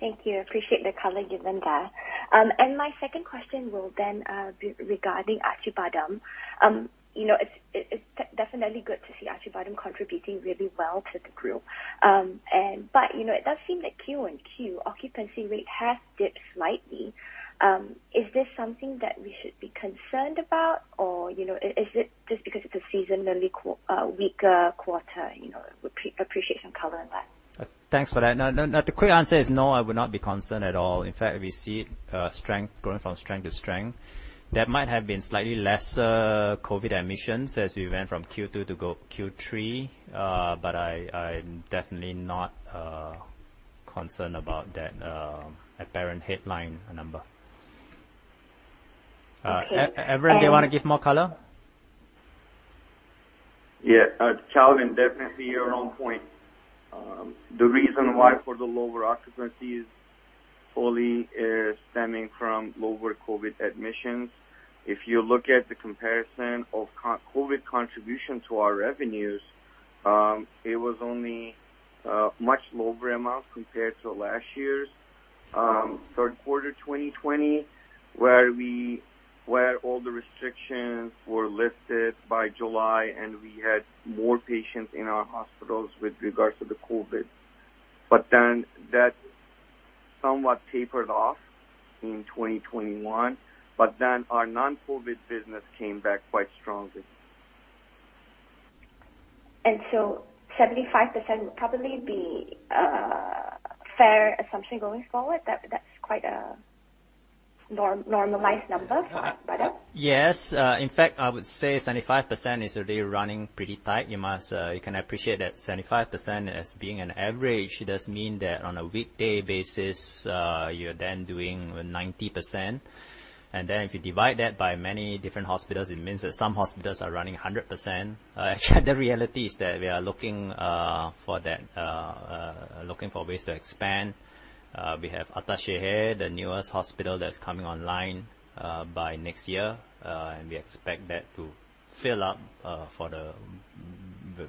Thank you. Appreciate the color given there. My second question will then be regarding Acıbadem. You know, it's definitely good to see Acıbadem contributing really well to the group. You know, it does seem like Q-on-Q occupancy rate has dipped slightly. Is this something that we should be concerned about? Or, you know, is it just because it's a seasonally weaker quarter? You know, would appreciate some color on that. Thanks for that. No, the quick answer is no, I would not be concerned at all. In fact, we see strength growing from strength to strength. There might have been slightly lesser COVID admissions as we went from Q2 to Q3. But I'm definitely not concerned about that apparent headline number. Okay. Evren, do you wanna give more color? Yeah. Amanda, definitely you're on point. The reason why for the lower occupancy is fully stemming from lower COVID admissions. If you look at the comparison of COVID contribution to our revenues, it was only much lower amount compared to last year's third quarter 2020, where all the restrictions were lifted by July, and we had more patients in our hospitals with regards to the COVID. That somewhat tapered off in 2021, but then our non-COVID business came back quite strongly. 75% would probably be a fair assumption going forward. That, that's quite a normalized number for Acıbadem. Yes. In fact, I would say 75% is really running pretty tight. You can appreciate that 75% as being an average. It does mean that on a weekday basis, you're then doing 90%. Then if you divide that by many different hospitals, it means that some hospitals are running 100%. The reality is that we are looking for ways to expand. We have Ataşehir, the newest hospital that's coming online by next year. We expect that to fill up for the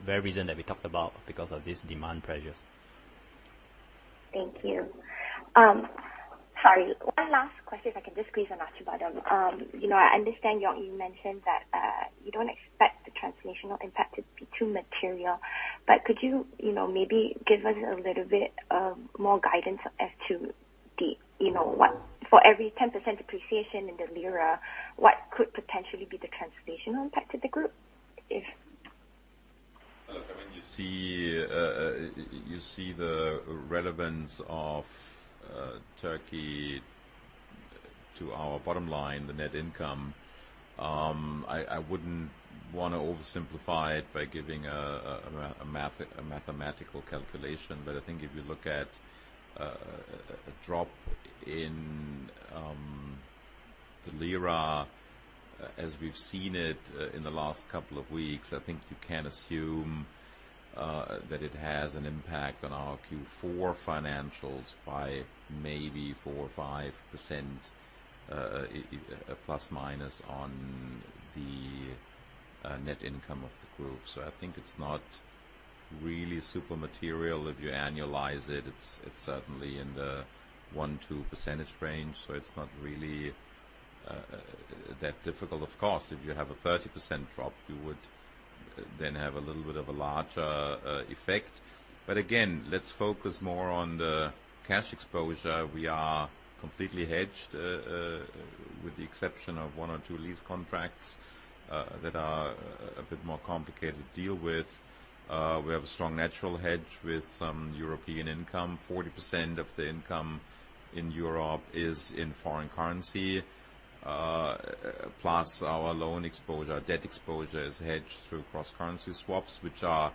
very reason that we talked about because of these demand pressures. Thank you. Sorry, one last question, if I can just squeeze on Acıbadem. You know, I understand, Joerg, you mentioned that you don't expect the translational impact to be too material. Could you know, maybe give us a little bit more guidance as to the, you know, what for every 10% depreciation in the lira, what could potentially be the translational impact to the group, if- Look, I mean, you see the relevance of Turkey to our bottom line, the net income. I wouldn't wanna oversimplify it by giving a mathematical calculation. I think if you look at a drop in the lira, as we've seen it in the last couple of weeks, I think you can assume that it has an impact on our Q4 financials by maybe 4%-5% plus minus on the net income of the group. I think it's not really super material. If you annualize it's certainly in the 1%-2% range, it's not really that difficult. Of course, if you have a 30% drop, you would then have a little bit of a larger effect. Again, let's focus more on the cash exposure. We are completely hedged, with the exception of one or two lease contracts that are a bit more complicated to deal with. We have a strong natural hedge with some European income. 40% of the income in Europe is in foreign currency. Plus our loan exposure, our debt exposure is hedged through cross-currency swaps, which are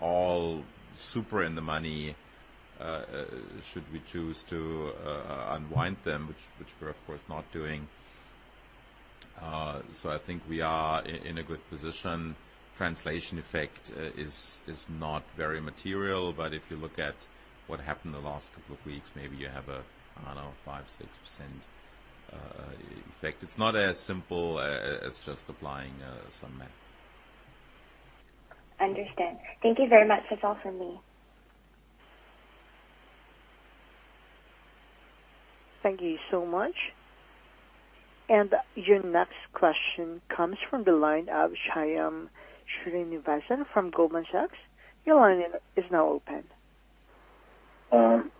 all super in the money, should we choose to unwind them, which we're of course not doing. I think we are in a good position. Translation effect is not very material. If you look at what happened the last couple of weeks, maybe you have a, I don't know, 5%-6% effect. It's not as simple as just applying some math. Understood. Thank you very much. That's all for me. Thank you so much. Your next question comes from the line of Shyam Srinivasan from Goldman Sachs. Your line is now open.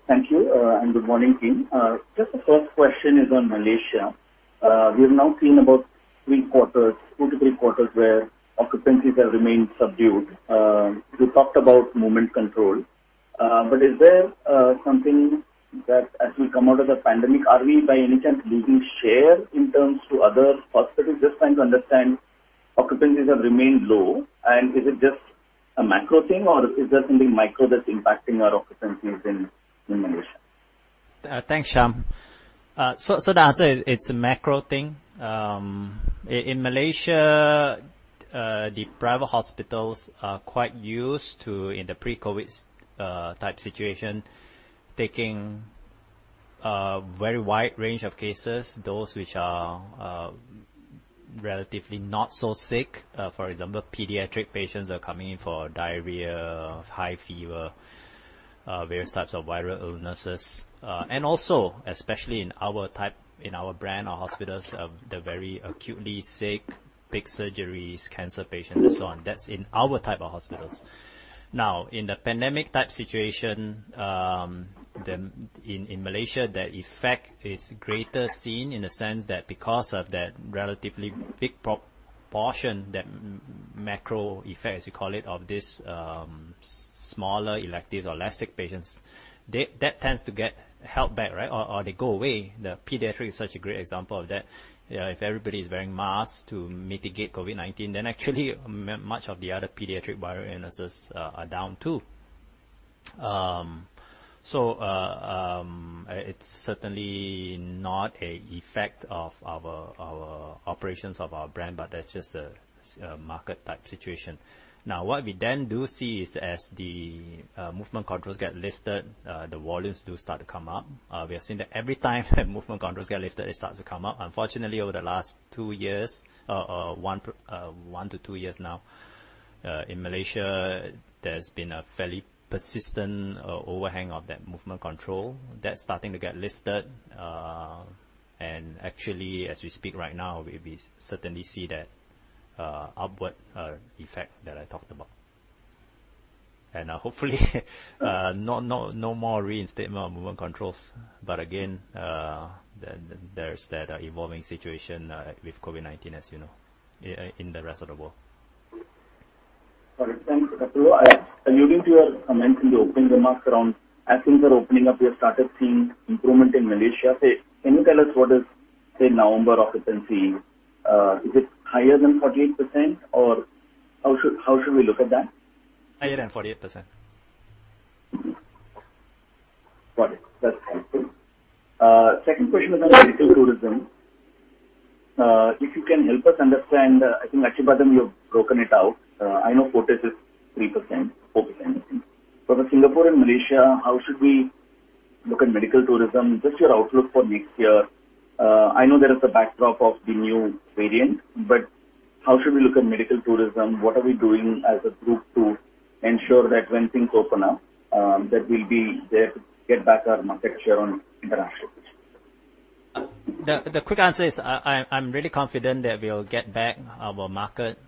Thank you, and good morning, team. Just the first question is on Malaysia. We've now seen about three quarters, two to three quarters where occupancies have remained subdued. You talked about movement control. But is there something that as we come out of the pandemic, are we by any chance losing share to other hospitals? Just trying to understand occupancies have remained low. Is it just a macro thing or is there something micro that's impacting our occupancies in Malaysia? Thanks, Shyam. The answer, it's a macro thing. In Malaysia, the private hospitals are quite used to, in the pre-COVID type situation, taking a very wide range of cases, those which are relatively not so sick. For example, pediatric patients are coming in for diarrhea, high fever, various types of viral illnesses. Also especially in our type, in our brand of hospitals, the very acutely sick, big surgeries, cancer patients and so on. That's in our type of hospitals. Now, in the pandemic type situation, in Malaysia, the effect is greater seen in the sense that because of that relatively big proportion, that macro effect, as you call it, of this smaller electives or LASIK patients that tends to get held back, right? Or they go away. The pediatric is such a great example of that. You know, if everybody's wearing masks to mitigate COVID-19, then actually much of the other pediatric viral illnesses are down, too. So, it's certainly not an effect of our operations of our brand, but that's just a market type situation. Now, what we then do see is as the movement controls get lifted, the volumes do start to come up. We are seeing that every time movement controls get lifted, they start to come up. Unfortunately, over the last two years, one to two years now, in Malaysia, there's been a fairly persistent overhang of that movement control. That's starting to get lifted. Actually, as we speak right now, we certainly see that upward effect that I talked about. Hopefully, no more reinstatement of movement controls. Again, there's that evolving situation with COVID-19, as you know, in the rest of the world. All right. Thanks, Dr. Loh. All right. Alluding to your comments in the opening remarks around, as things are opening up, we have started seeing improvement in Malaysia. Can you tell us what is, say, November occupancy? Is it higher than 48%? Or how should we look at that? Higher than 48%. Got it. That's helpful. Second question is on medical tourism. If you can help us understand, I think Acıbadem may have broken it out. I know Fortis is 3% focused on it. For Singapore and Malaysia, how should we look at medical tourism? Just your outlook for next year. I know there is the backdrop of the new variant, but how should we look at medical tourism? What are we doing as a group to ensure that when things open up, that we'll be there to get back our market share on internationals? The quick answer is I'm really confident that we'll get back our market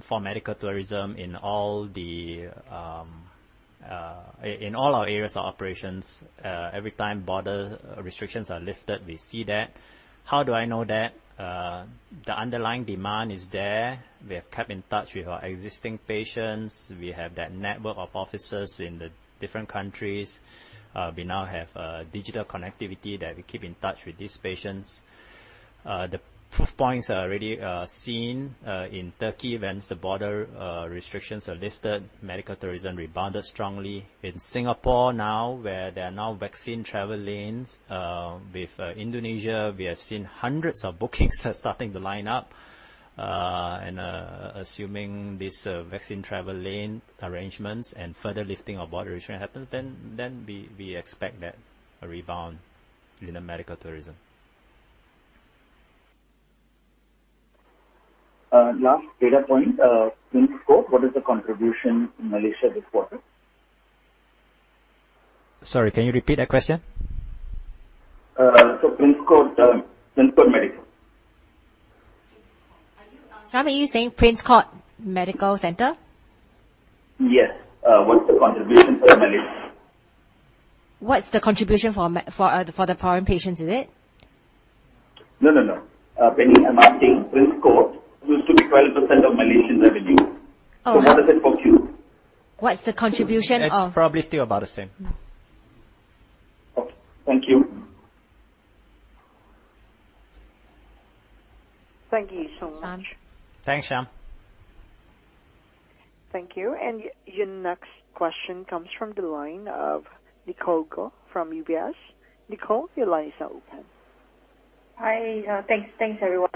for medical tourism in all our areas of operations. Every time border restrictions are lifted, we see that. How do I know that? The underlying demand is there. We have kept in touch with our existing patients. We have that network of officers in the different countries. We now have digital connectivity that we keep in touch with these patients. The proof points are already seen in Turkey when the border restrictions are lifted, medical tourism rebounded strongly. In Singapore now, where there are now Vaccinated Travel Lanes with Indonesia, we have seen hundreds of bookings are starting to line up. Assuming this Vaccinated Travel Lane arrangements and further lifting of border restriction happens, then we expect a rebound in the medical tourism. Last data point. Prince Court, what is the contribution in Malaysia this quarter? Sorry, can you repeat that question? Prince Court Medical. Prince Court. Are you? Shyam, are you saying Prince Court Medical Centre? Yes. What's the contribution for Malaysia? What's the contribution for the foreign patients, is it? No, no. Penny, I'm asking Prince Court used to be 12% of Malaysian revenue. Oh, okay. What is it for Q? What's the contribution of It's probably still about the same. Mm-hmm. Okay. Thank you. Thank you so much. Shyam. Thanks, Shyam. Thank you. Your next question comes from the line of Nicole Goh from UBS. Nicole, your line is now open. Hi. Thanks. Thanks, everyone.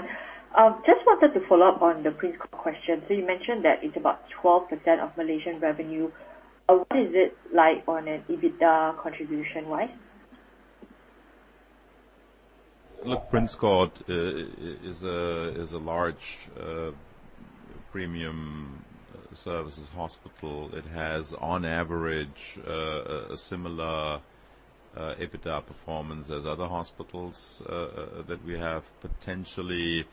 Just wanted to follow up on the Prince Court question. You mentioned that it's about 12% of Malaysian revenue. What is it like on an EBITDA contribution-wise? Look, Prince Court is a large premium services hospital. It has, on average, a similar EBITDA performance as other hospitals that we have, potentially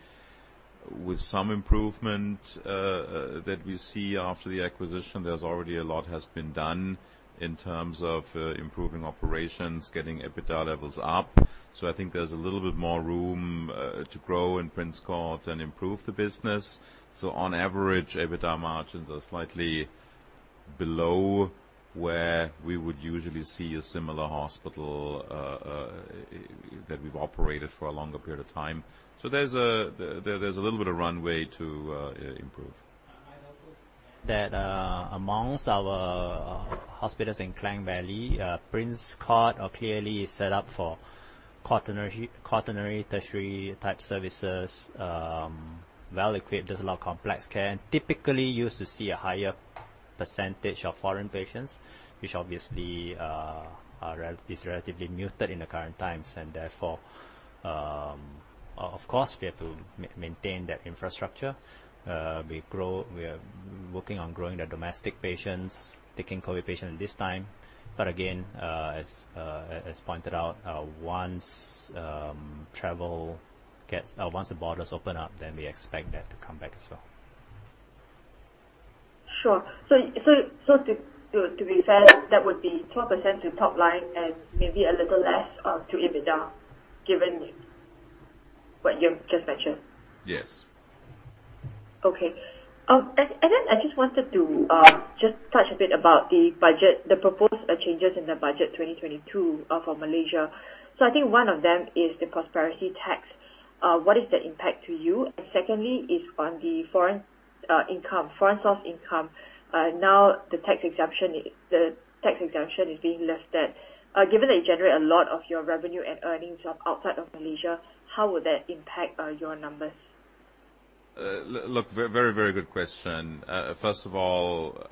with some improvement that we see after the acquisition. There's already a lot has been done in terms of improving operations, getting EBITDA levels up. I think there's a little bit more room to grow in Prince Court and improve the business. On average, EBITDA margins are slightly below where we would usually see a similar hospital that we've operated for a longer period of time. There's a little bit of runway to improve. That, among our hospitals in Klang Valley, Prince Court is clearly set up for quaternary, tertiary type services, well-equipped. There's a lot of complex care and typically used to see a higher percentage of foreign patients, which obviously, is relatively muted in the current times. Therefore, of course, we have to maintain that infrastructure. We are working on growing the domestic patients, taking COVID patient this time. Again, as pointed out, once the borders open up, then we expect that to come back as well. Sure. To be fair, that would be 12% to top line and maybe a little less to EBITDA, given what you've just mentioned. Yes. Okay. I just wanted to just touch a bit about the budget, the proposed changes in the Budget 2022, for Malaysia. I think one of them is the Prosperity Tax. What is the impact to you? Secondly is on the foreign income, foreign source income. Now the tax exemption, the tax exemption is being less than. Given that you generate a lot of your revenue and earnings from outside of Malaysia, how would that impact your numbers? Look, very good question. First of all,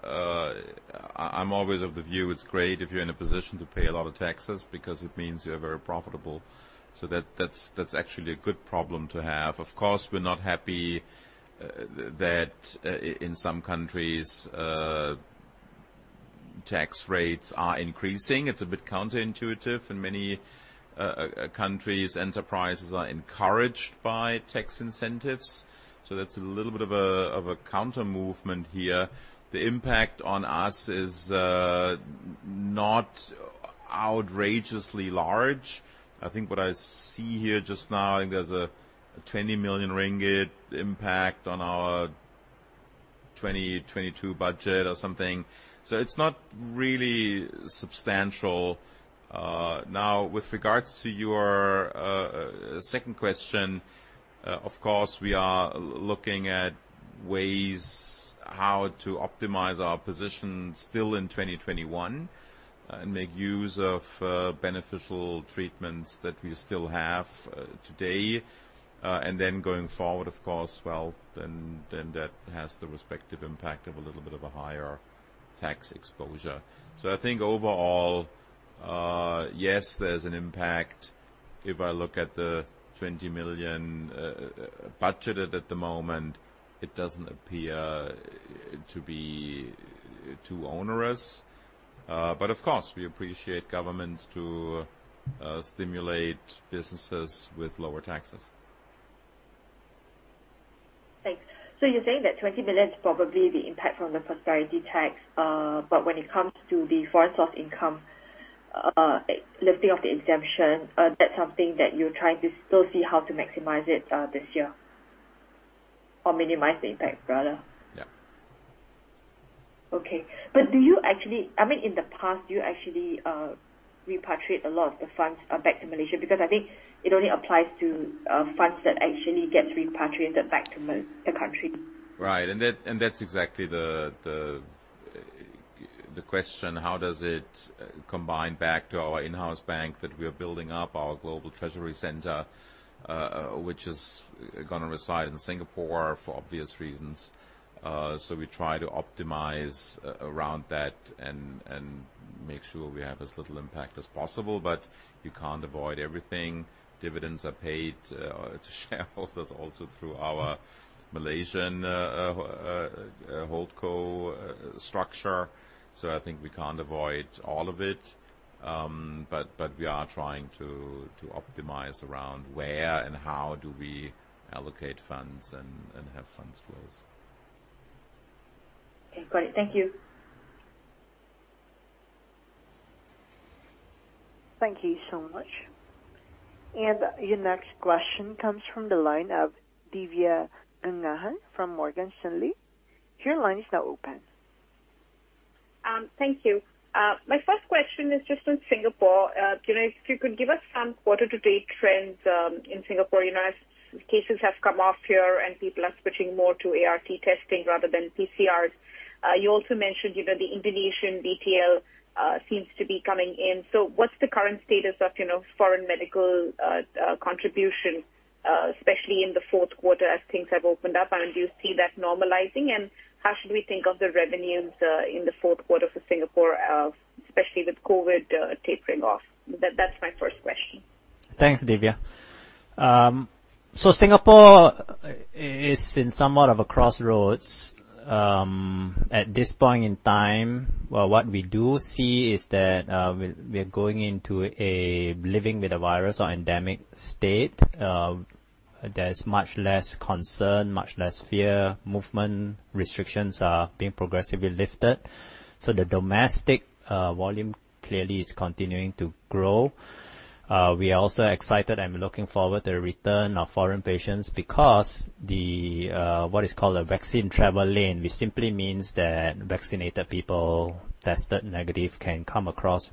I'm always of the view it's great if you're in a position to pay a lot of taxes because it means you're very profitable. That's actually a good problem to have. Of course, we're not happy that in some countries tax rates are increasing. It's a bit counterintuitive. In many countries, enterprises are encouraged by tax incentives, so that's a little bit of a counter movement here. The impact on us is not outrageously large. I think what I see here just now, there's a 20 million ringgit impact on our 2022 budget or something. It's not really substantial. Now with regards to your second question, of course, we are looking at ways how to optimize our position still in 2021 and make use of beneficial treatments that we still have today. Going forward, of course, then that has the respective impact of a little bit of a higher tax exposure. I think overall, yes, there's an impact. If I look at the 20 million budgeted at the moment, it doesn't appear to be too onerous. Of course, we appreciate governments to stimulate businesses with lower taxes. Thanks. You're saying that 20 million is probably the impact from the Prosperity Tax. When it comes to the foreign source income, lifting of the exemption, that's something that you're trying to still see how to maximize it, this year, or minimize the impact rather. Yeah. Do you actually—I mean, in the past, do you actually repatriate a lot of the funds back to Malaysia? Because I think it only applies to funds that actually gets repatriated back to the country. Right. That's exactly the question, how does it come back to our in-house bank that we are building up our global treasury center, which is gonna reside in Singapore for obvious reasons. We try to optimize around that and make sure we have as little impact as possible. You can't avoid everything. Dividends are paid to shareholders also through our Malaysian HoldCo structure. I think we can't avoid all of it. We are trying to optimize around where and how do we allocate funds and have funds flows. Okay, great. Thank you. Thank you so much. Your next question comes from the line of Divya Gangahar from Morgan Stanley. Your line is now open. Thank you. My first question is just on Singapore. You know, if you could give us some quarter-to-date trends in Singapore. You know, cases have come off here, and people are switching more to ART testing rather than PCRs. You also mentioned, you know, the Indonesian VTL seems to be coming in. So what's the current status of, you know, foreign medical contribution, especially in the fourth quarter as things have opened up? And do you see that normalizing? And how should we think of the revenues in the fourth quarter for Singapore, especially with COVID tapering off? That's my first question. Thanks, Divya. Singapore is in somewhat of a crossroads at this point in time. What we do see is that we're going into a living with the virus or endemic state. There's much less concern, much less fear. Movement restrictions are being progressively lifted. The domestic volume clearly is continuing to grow. We are also excited and looking forward to the return of foreign patients because what is called a Vaccinated Travel Lane, which simply means that vaccinated people tested negative can come across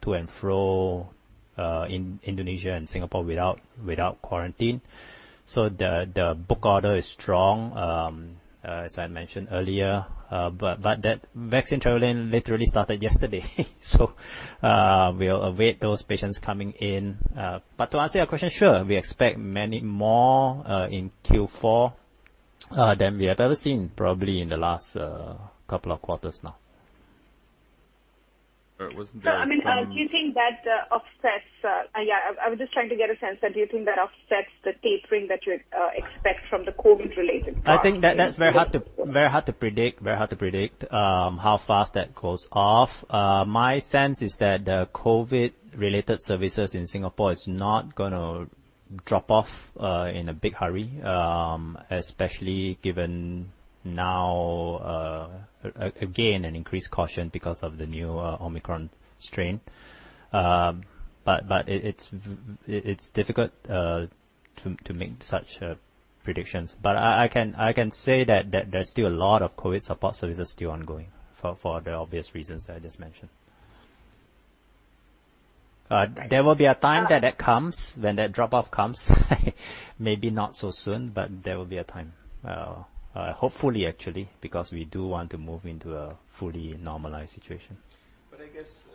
to and FRO in Indonesia and Singapore without quarantine. The book order is strong as I mentioned earlier. But that Vaccinated Travel Lane literally started yesterday. We'll await those patients coming in. To answer your question, sure, we expect many more in Q4 than we have ever seen probably in the last couple of quarters now. Wasn't there some- Sir, I mean, yeah, I was just trying to get a sense that do you think that offsets the tapering that you'd expect from the COVID-related part? I think that's very hard to predict how fast that goes off. My sense is that the COVID-related services in Singapore is not gonna drop off in a big hurry, especially given now again an increased caution because of the new Omicron strain. It's difficult to make such predictions. I can say that there's still a lot of COVID support services still ongoing for the obvious reasons that I just mentioned. There will be a time that comes, when that drop-off comes, maybe not so soon, but there will be a time. Hopefully, actually, because we do want to move into a fully normalized situation. I guess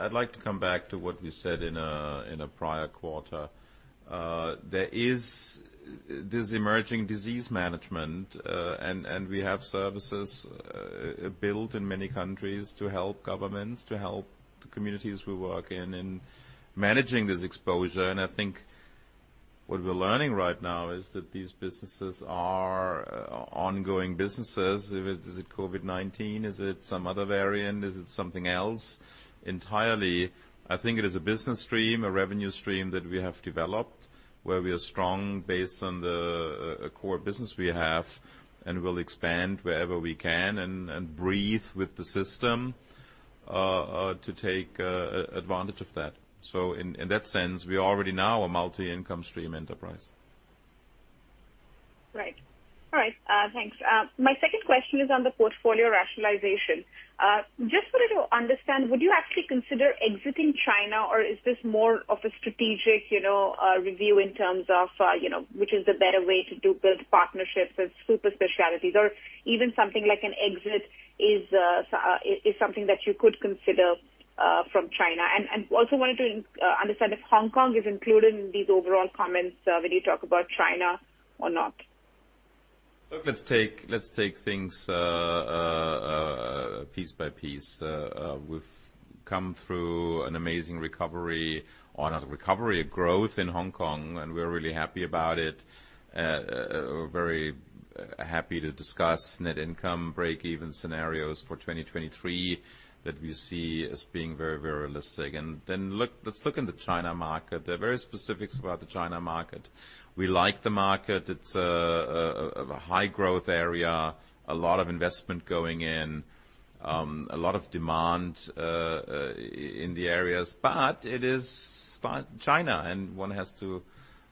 I'd like to come back to what you said in a prior quarter. There is this emerging disease management, and we have services built in many countries to help governments, to help the communities we work in managing this exposure. I think what we're learning right now is that these businesses are ongoing businesses. Is it COVID-19? Is it some other variant? Is it something else entirely? I think it is a business stream, a revenue stream that we have developed, where we are strong based on the core business we have and will expand wherever we can and breathe with the system to take advantage of that. In that sense, we are already now a multi-income stream enterprise. Right. All right. Thanks. My second question is on the portfolio rationalization. Just wanted to understand, would you actually consider exiting China, or is this more of a strategic, you know, review in terms of, you know, which is the better way to do build partnerships with super specialties? Or even something like an exit is something that you could consider from China. And also wanted to understand if Hong Kong is included in these overall comments when you talk about China or not. Look, let's take things piece by piece. We've come through an amazing recovery or not a recovery, a growth in Hong Kong, and we're really happy about it. Very happy to discuss net income break-even scenarios for 2023 that we see as being very, very realistic. Then look, let's look in the China market. There are very specifics about the China market. We like the market. It's a high growth area, a lot of investment going in, a lot of demand in the areas, but it is China, and one has to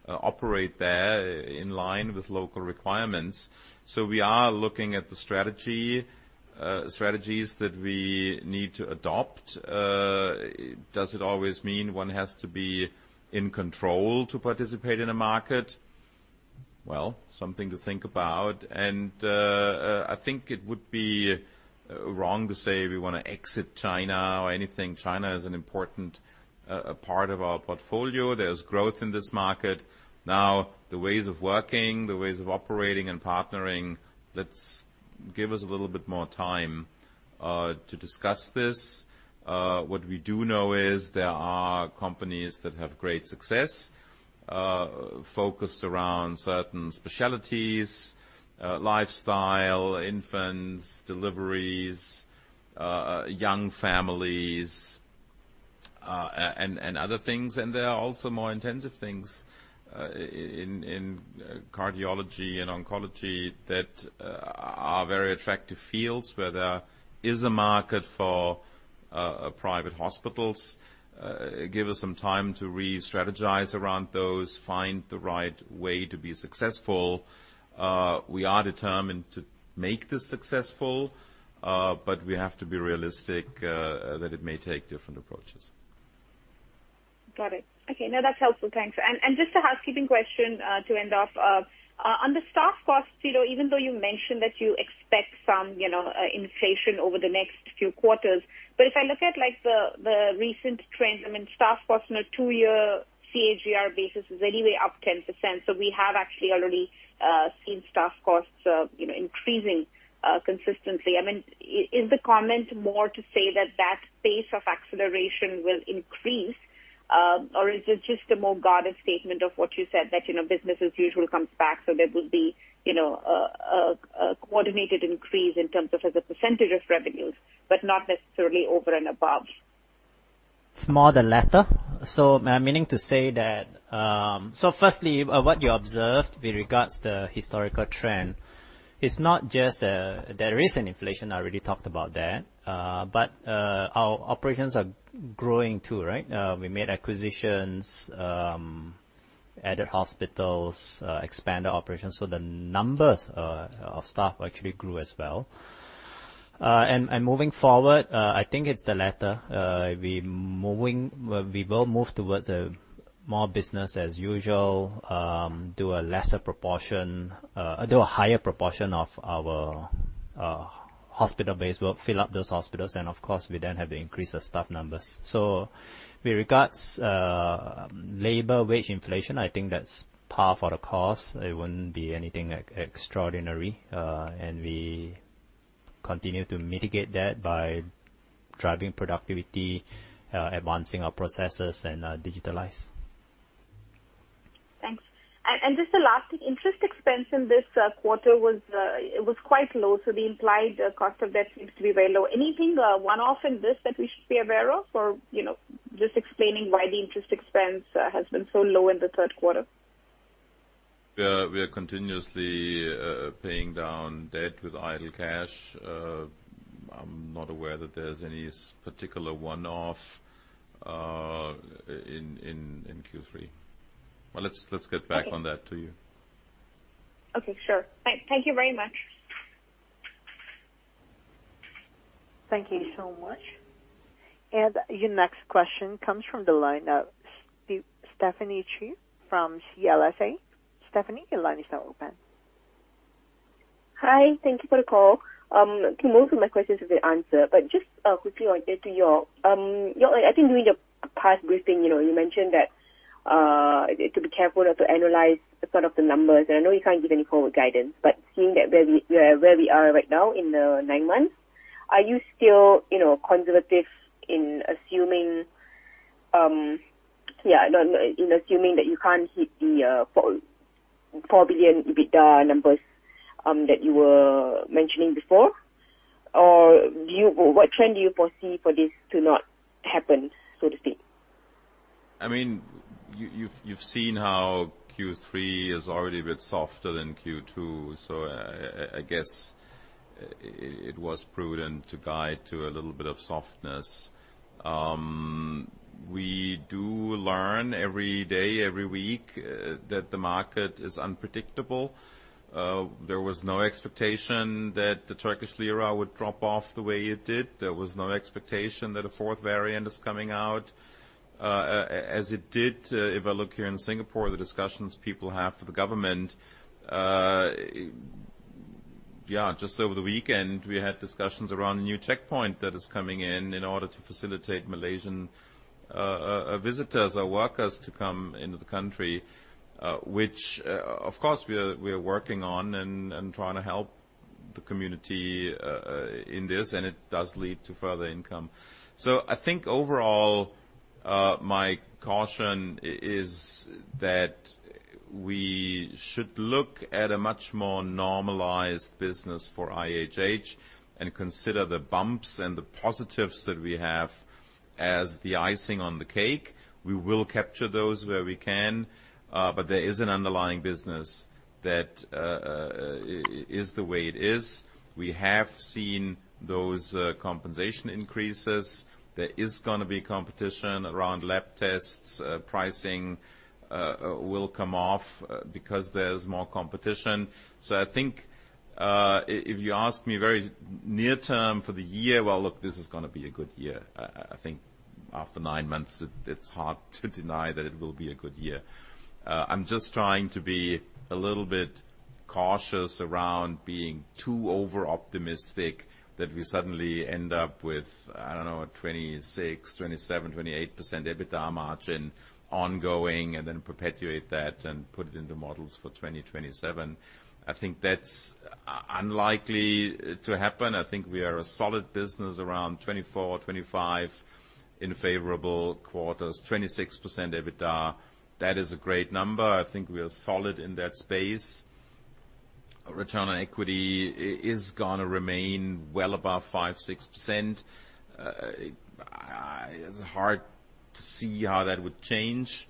operate there in line with local requirements. We are looking at the strategies that we need to adopt. Does it always mean one has to be in control to participate in a market? Well, something to think about. I think it would be wrong to say we wanna exit China or anything. China is an important part of our portfolio. There's growth in this market. Now, the ways of working, the ways of operating and partnering, let's give us a little bit more time to discuss this. What we do know is there are companies that have great success focused around certain specialties, lifestyle, infants, deliveries, young families, and other things. There are also more intensive things in cardiology and oncology that are very attractive fields where there is a market for private hospitals. Give us some time to restrategize around those, find the right way to be successful. We are determined to make this successful, but we have to be realistic that it may take different approaches. Got it. Okay. No, that's helpful. Thanks. Just a housekeeping question to end off. On the staff costs, you know, even though you mentioned that you expect some, you know, inflation over the next few quarters. If I look at, like, the recent trends, I mean, staff costs on a two-year CAGR basis is anyway up 10%. We have actually already seen staff costs, you know, increasing consistently. I mean, is the comment more to say that that pace of acceleration will increase, or is it just a more guarded statement of what you said that, you know, business as usual comes back, so there will be, you know, a coordinated increase in terms of as a percentage of revenues, but not necessarily over and above? It's more the latter. I'm meaning to say that, firstly, what you observed with regards to historical trend, it's not just, there is inflation, I already talked about that. Our operations are growing too, right? We made acquisitions, added hospitals, expanded operations. The numbers of staff actually grew as well. Moving forward, I think it's the latter. We will move towards a more business as usual, do a higher proportion of our hospital base. We'll fill up those hospitals and of course, we then have the increase of staff numbers. With regards to labor wage inflation, I think that's par for the course. It wouldn't be anything extraordinary, and we continue to mitigate that by driving productivity, advancing our processes and digitalize. Just the last thing. Interest expense in this quarter was quite low, so the implied cost of debt seems to be very low. Anything one-off in this that we should be aware of? Or, you know, just explaining why the interest expense has been so low in the third quarter. Yeah. We are continuously paying down debt with idle cash. I'm not aware that there's any particular one-off in Q3. Well, let's get back. Okay. on that to you. Okay. Sure. Thank you very much. Thank you so much. Your next question comes from the line of Stephanie Cheah from CLSA. Stephanie, your line is now open. Hi. Thank you for the call. I think most of my questions have been answered, but just quickly on this to you. You know, I think during the past briefing, you know, you mentioned that to be careful not to analyze the sort of the numbers. I know you can't give any forward guidance, but seeing that where we are right now in the nine months, are you still, you know, conservative in assuming that you can't hit the 4 billion EBITDA numbers that you were mentioning before? Or what trend do you foresee for this to not happen, so to speak? I mean, you've seen how Q3 is already a bit softer than Q2. I guess it was prudent to guide to a little bit of softness. We do learn every day, every week, that the market is unpredictable. There was no expectation that the Turkish lira would drop off the way it did. There was no expectation that a fourth variant is coming out, as it did. If I look here in Singapore, the discussions people have for the government. Yeah, just over the weekend, we had discussions around a new checkpoint that is coming in in order to facilitate Malaysian visitors or workers to come into the country. Which of course we are working on and trying to help the community in this, and it does lead to further income. I think overall, my caution is that we should look at a much more normalized business for IHH and consider the bumps and the positives that we have as the icing on the cake. We will capture those where we can, but there is an underlying business that is the way it is. We have seen those compensation increases. There is gonna be competition around lab tests. Pricing will come off because there's more competition. I think, if you ask me very near term for the year, well, look, this is gonna be a good year. I think after nine months, it's hard to deny that it will be a good year. I'm just trying to be a little bit cautious around being too overoptimistic that we suddenly end up with, I don't know, 26%-28% EBITDA margin ongoing and then perpetuate that and put it into models for 2027. I think that's unlikely to happen. I think we are a solid business around 24%, 25% in favorable quarters. 26% EBITDA, that is a great number. I think we are solid in that space. Return on equity is gonna remain well above 5%, 6%. It's hard to see how that would change.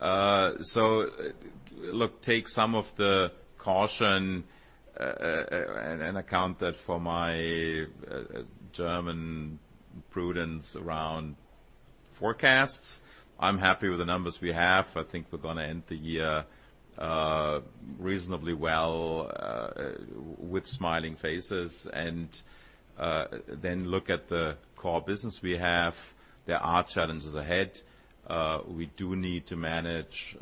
Look, take some of the caution and account that for my German prudence around forecasts. I'm happy with the numbers we have. I think we're gonna end the year reasonably well with smiling faces and then look at the core business we have. There are challenges ahead. We do need to manage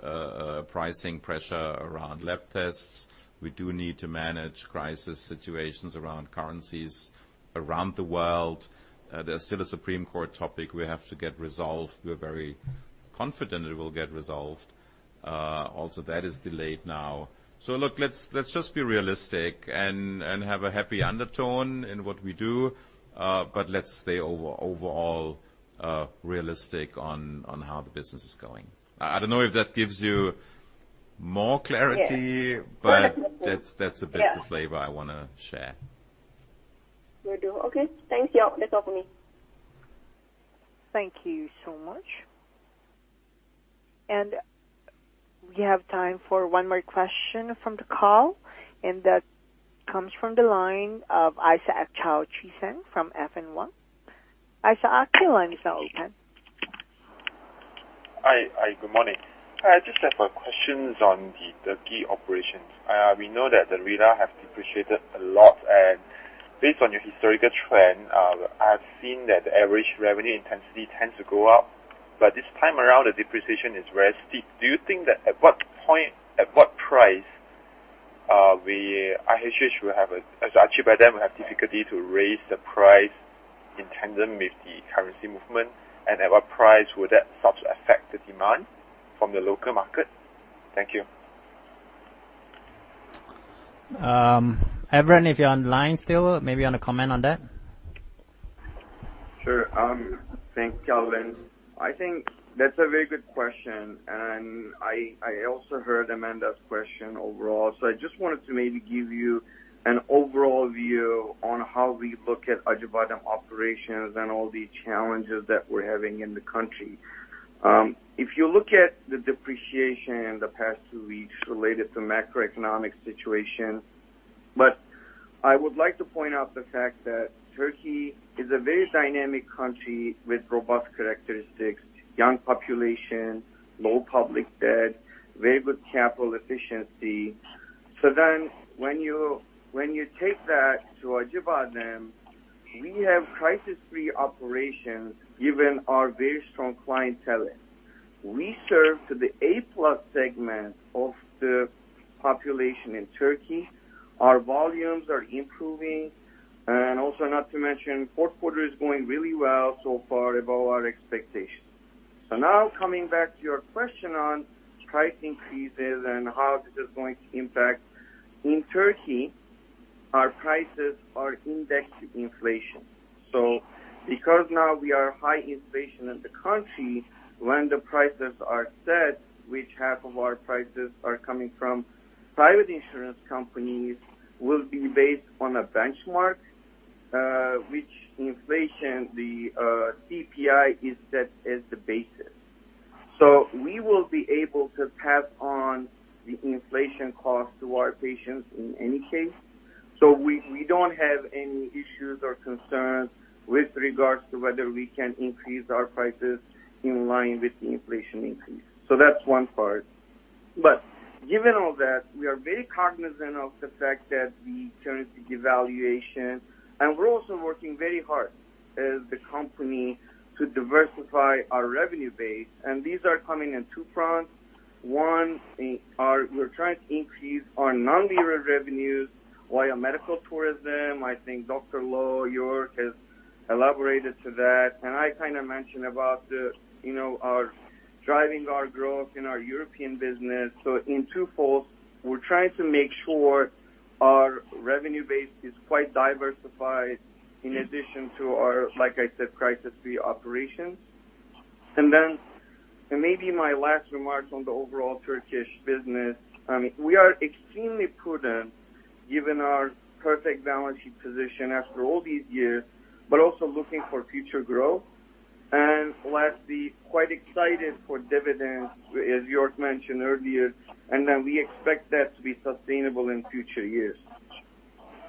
pricing pressure around lab tests. We do need to manage crisis situations around currencies around the world. There's still a Supreme Court topic we have to get resolved. We're very confident it will get resolved. Also that is delayed now. Look, let's just be realistic and have a happy undertone in what we do. Let's stay overall realistic on how the business is going. I don't know if that gives you more clarity. Yes. That's a bit. Yeah. the flavor I wanna share. Will do. Okay. Thanks, y'all. That's all for me. Thank you so much. We have time for one more question from the call, and that comes from the line of Isaac Chow Chee Sing from Affin Hwang. Isaac, your line is now open. Hi, good morning. I just have a question on the Turkey operations. We know that the lira has depreciated a lot, and based on your historical trend, I've seen that the average revenue intensity tends to go up. This time around, the depreciation is very steep. Do you think that at what point, at what price, Acıbadem will have difficulty to raise the price in tandem with the currency movement. At what price would that start to affect the demand from the local market? Thank you. Evren, if you're online still, maybe you wanna comment on that. Sure. Thanks, Calvin. I think that's a very good question, and I also heard Amanda's question overall. I just wanted to maybe give you an overall view on how we look at Acıbadem operations and all the challenges that we're having in the country. If you look at the depreciation in the past two weeks related to macroeconomic situation, but I would like to point out the fact that Turkey is a very dynamic country with robust characteristics, young population, low public debt, very good capital efficiency. When you take that to Acıbadem, we have crisis-free operations, given our very strong clientele. We serve to the A-plus segment of the population in Turkey. Our volumes are improving, and also not to mention, fourth quarter is going really well so far above our expectations. Now coming back to your question on price increases and how this is going to impact. In Turkey, our prices are indexed to inflation. Because now we have high inflation in the country, when the prices are set, which half of our prices are coming from private insurance companies, will be based on a benchmark, which inflation, the CPI, is set as the basis. We will be able to pass on the inflation cost to our patients in any case. We don't have any issues or concerns with regards to whether we can increase our prices in line with the inflation increase. That's one part. Given all that, we are very cognizant of the fact that the currency devaluation. We're also working very hard as the company to diversify our revenue base, and these are coming on two fronts. One, we're trying to increase our non-lira revenues via medical tourism. I think Dr. Loh, Joerg, has elaborated on that. I kinda mentioned about the, you know, our driving our growth in our European business. In twofolds, we're trying to make sure our revenue base is quite diversified in addition to our, like I said, crisis-free operations. Maybe my last remarks on the overall Turkish business, we are extremely prudent given our perfect balance sheet position after all these years, but also looking for future growth. Lastly, quite excited for dividends, as Joerg mentioned earlier, and then we expect that to be sustainable in future years.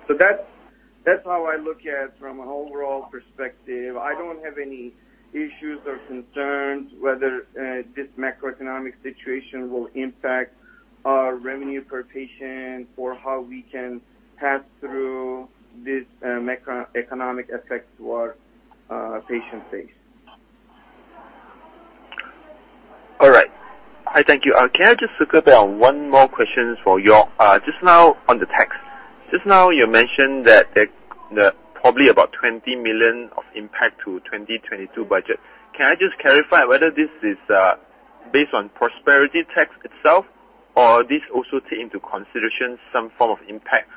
That's how I look at it from an overall perspective. I don't have any issues or concerns whether this macroeconomic situation will impact our revenue per patient or how we can pass through this macroeconomic effect to our patient base. All right. I thank you. Can I just circle back on one more question for Joerg just now on the tax. Just now, you mentioned that probably about 20 million of impact to 2022 Budget. Can I just clarify whether this is based on Prosperity Tax itself or this also take into consideration some form of impact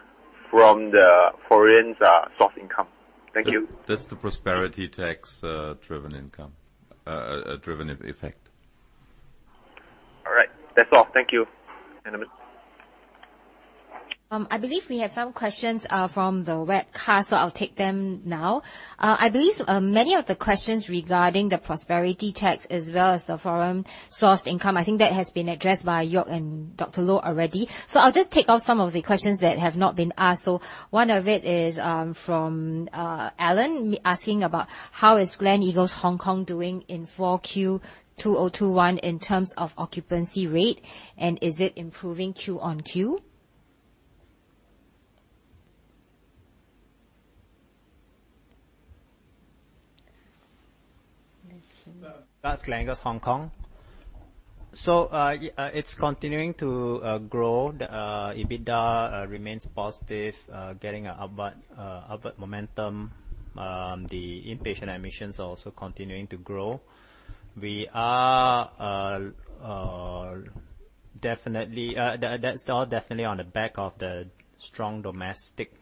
from the foreign source income? Thank you. That's the Prosperity Tax driven income driven effect. All right. That's all. Thank you. I believe we have some questions from the webcast, so I'll take them now. I believe many of the questions regarding the Prosperity Tax as well as the foreign source income, I think that has been addressed by Joerg and Dr. Loh already. I'll just take on some of the questions that have not been asked. One of it is from Alan asking about how is Gleneagles Hong Kong doing in 4Q 2021 in terms of occupancy rate, and is it improving Q on Q? Let's see. That's Gleneagles Hong Kong. It's continuing to grow. The EBITDA remains positive, getting an upward momentum. The inpatient admissions are also continuing to grow. That's all definitely on the back of the strong domestic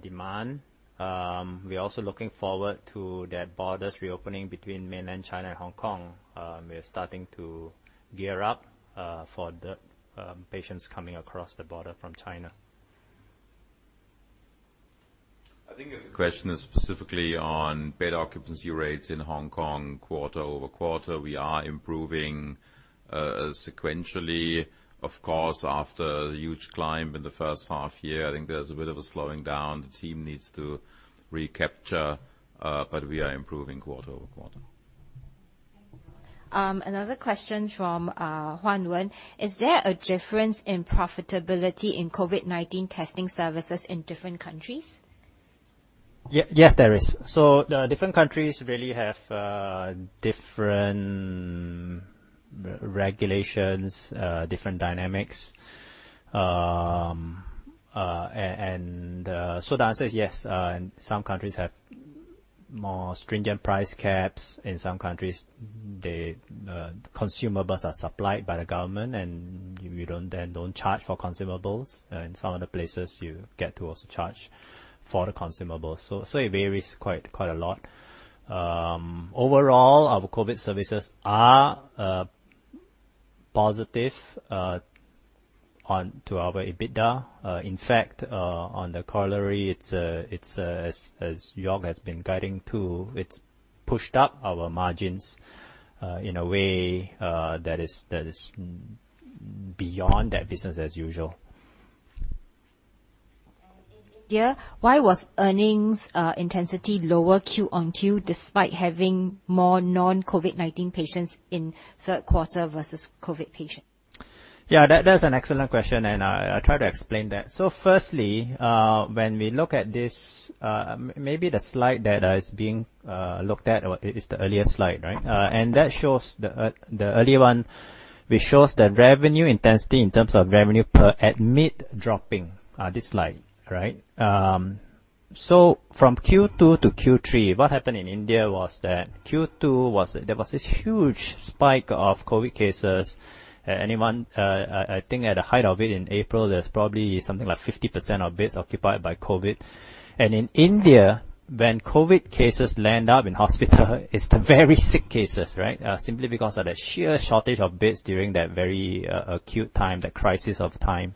demand. We're also looking forward to the borders reopening between Mainland China and Hong Kong. We're starting to gear up for the patients coming across the border from China. I think if the question is specifically on bed occupancy rates in Hong Kong quarter-over-quarter, we are improving sequentially, of course, after the huge climb in the first half year. I think there's a bit of a slowing down the team needs to recapture, but we are improving quarter-over-quarter. Another question from Huan Wen. Is there a difference in profitability in COVID-19 testing services in different countries? Yes, there is. The different countries really have different regulations, different dynamics. The answer is yes. Some countries have more stringent price caps. In some countries, consumables are supplied by the government, and we don't charge for consumables. In some other places, you get to also charge for the consumables. It varies quite a lot. Overall, our COVID services are positive on to our EBITDA. In fact, on the corollary, it's as Joerg has been guiding too, it's pushed up our margins in a way that is beyond that business as usual. In India, why was earnings intensity lower Q-on-Q despite having more non-COVID-19 patients in third quarter versus COVID patient? Yeah, that's an excellent question, and I try to explain that. Firstly, when we look at this, maybe the slide data is being looked at or it is the earliest slide, right? That shows the earlier one, which shows the revenue intensity in terms of revenue per admit dropping, this slide, right? From Q2 to Q3, what happened in India was that there was this huge spike of COVID cases. I think at the height of it in April, there's probably something like 50% of beds occupied by COVID. In India, when COVID cases land up in hospital it's the very sick cases, right? Simply because of the sheer shortage of beds during that very acute time, the crisis of time.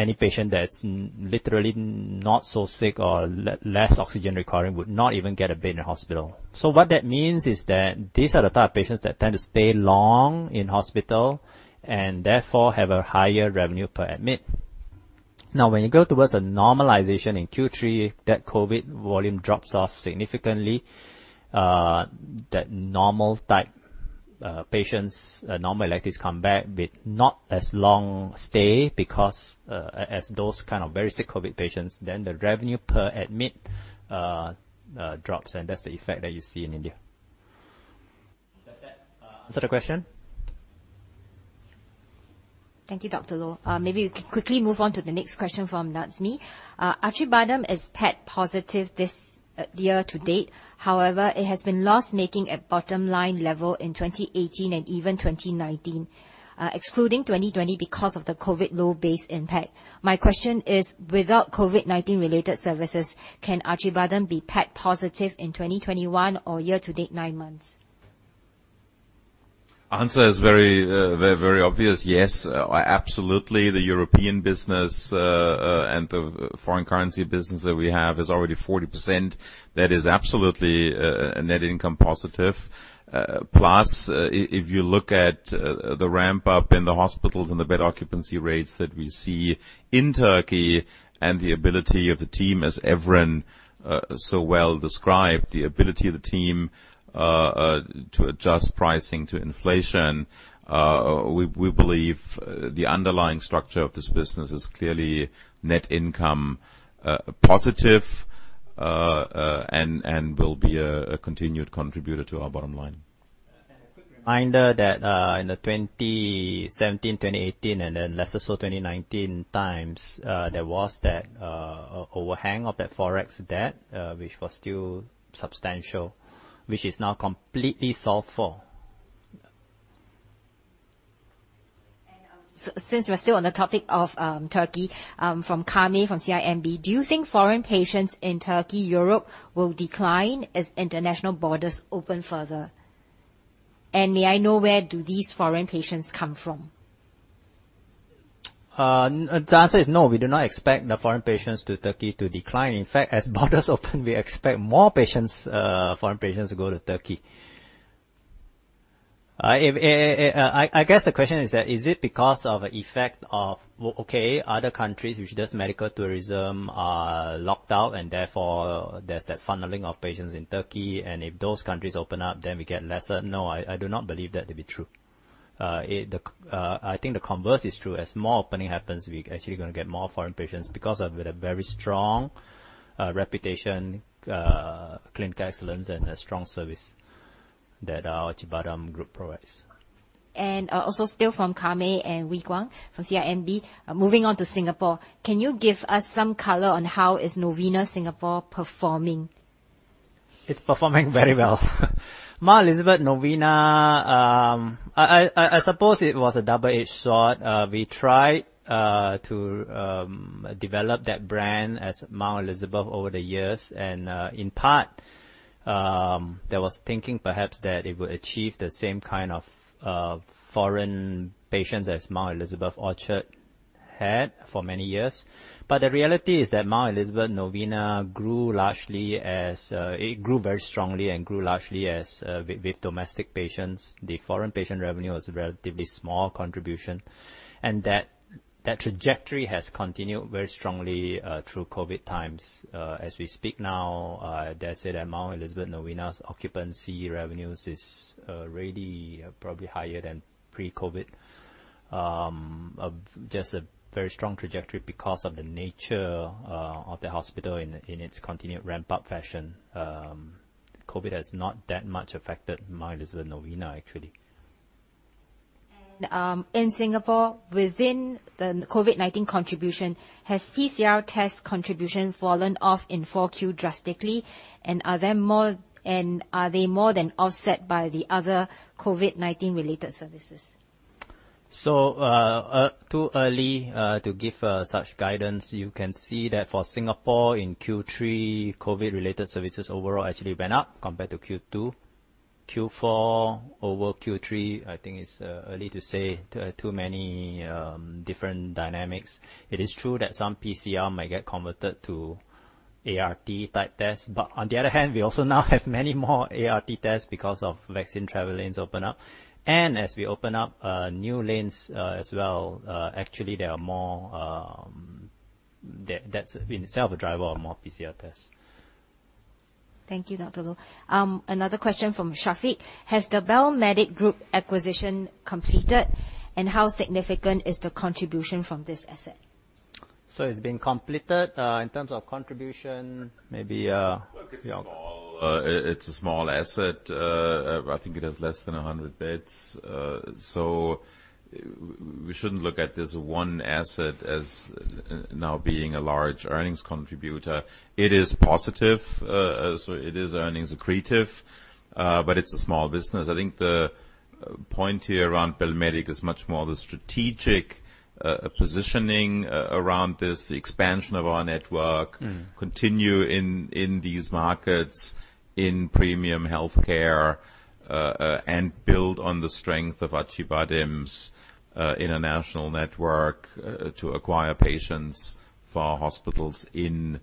Any patient that's literally not so sick or less oxygen requiring would not even get a bed in a hospital. What that means is that these are the type of patients that tend to stay long in hospital and therefore have a higher revenue per admit. Now, when you go towards a normalization in Q3, that COVID volume drops off significantly, that normal type patients, normal activities come back with not as long stay because as those kind of very sick COVID patients, then the revenue per admit drops, and that's the effect that you see in India. Does that answer the question? Thank you, Dr. Loh. Maybe we can quickly move on to the next question from Nazmi. Acıbadem is PAT positive this year to date. However, it has been loss-making at bottom line level in 2018 and even 2019, excluding 2020 because of the COVID low base impact. My question is, without COVID-19 related services, can Acıbadem be PAT positive in 2021 or year to date 9 months? Answer is very obvious. Yes, absolutely. The European business and the foreign currency business that we have is already 40%. That is absolutely a net income positive. Plus, if you look at the ramp-up in the hospitals and the bed occupancy rates that we see in Turkey and the ability of the team, as Evren so well described, to adjust pricing to inflation, we believe the underlying structure of this business is clearly net income positive and will be a continued contributor to our bottom line. A quick reminder that in the 2017, 2018 and then lesser so 2019 times, there was that overhang of that forex debt, which was still substantial, which is now completely solved for. Since we're still on the topic of Turkey, from Kamarul, from CIMB, do you think foreign patients in Turkey, Europe will decline as international borders open further? May I know where do these foreign patients come from? The answer is no. We do not expect the foreign patients to Turkey to decline. In fact, as borders open, we expect more patients, foreign patients to go to Turkey. I guess the question is that, is it because of effect of, okay, other countries which does medical tourism are locked out, and therefore there's that funneling of patients in Turkey, and if those countries open up, then we get lesser. No, I do not believe that to be true. I think the converse is true. As more opening happens, we're actually gonna get more foreign patients because of the very strong, reputation, clinical excellence and a strong service that our Acıbadem group provides. Also still from Kamarul and Wei Guang from CIMB. Moving on to Singapore, can you give us some color on how is Novena Singapore performing? It's performing very well. Mount Elizabeth Novena, I suppose it was a double-edged sword. We tried to develop that brand as Mount Elizabeth over the years. In part, there was thinking perhaps that it would achieve the same kind of foreign patients as Mount Elizabeth Orchard had for many years. The reality is that Mount Elizabeth Novena grew very strongly and grew largely with domestic patients. The foreign patient revenue was a relatively small contribution, and that trajectory has continued very strongly through COVID times. As we speak now, dare I say that Mount Elizabeth Novena's occupancy revenues is really probably higher than pre-COVID. Of just a very strong trajectory because of the nature of the hospital in its continued ramp-up fashion. COVID has not that much affected Mount Elizabeth Novena, actually. In Singapore, within the COVID-19 contribution, has PCR test contribution fallen off in 4Q drastically? Are they more than offset by the other COVID-19 related services? It's too early to give such guidance. You can see that for Singapore in Q3, COVID-related services overall actually went up compared to Q2. Q4 over Q3, I think it's early to say. There are too many different dynamics. It is true that some PCR might get converted to ART type tests. On the other hand, we also now have many more ART tests because of Vaccinated Travel Lanes open up. As we open up new lanes as well, actually that's in itself a driver of more PCR tests. Thank you, Dr. Loh. Another question from Shafiq. Has the Bel Medic group acquisition completed? And how significant is the contribution from this asset? It's been completed. In terms of contribution, maybe, Joerg- Look, it's small. It's a small asset. I think it has less than 100 beds. So we shouldn't look at this one asset as now being a large earnings contributor. It is positive. So it is earnings accretive, but it's a small business. I think the point here around Bel Medic is much more the strategic positioning around this, the expansion of our network. Mm. Continue in these markets in premium healthcare, and build on the strength of Acıbadem's international network, to acquire patients for our hospitals in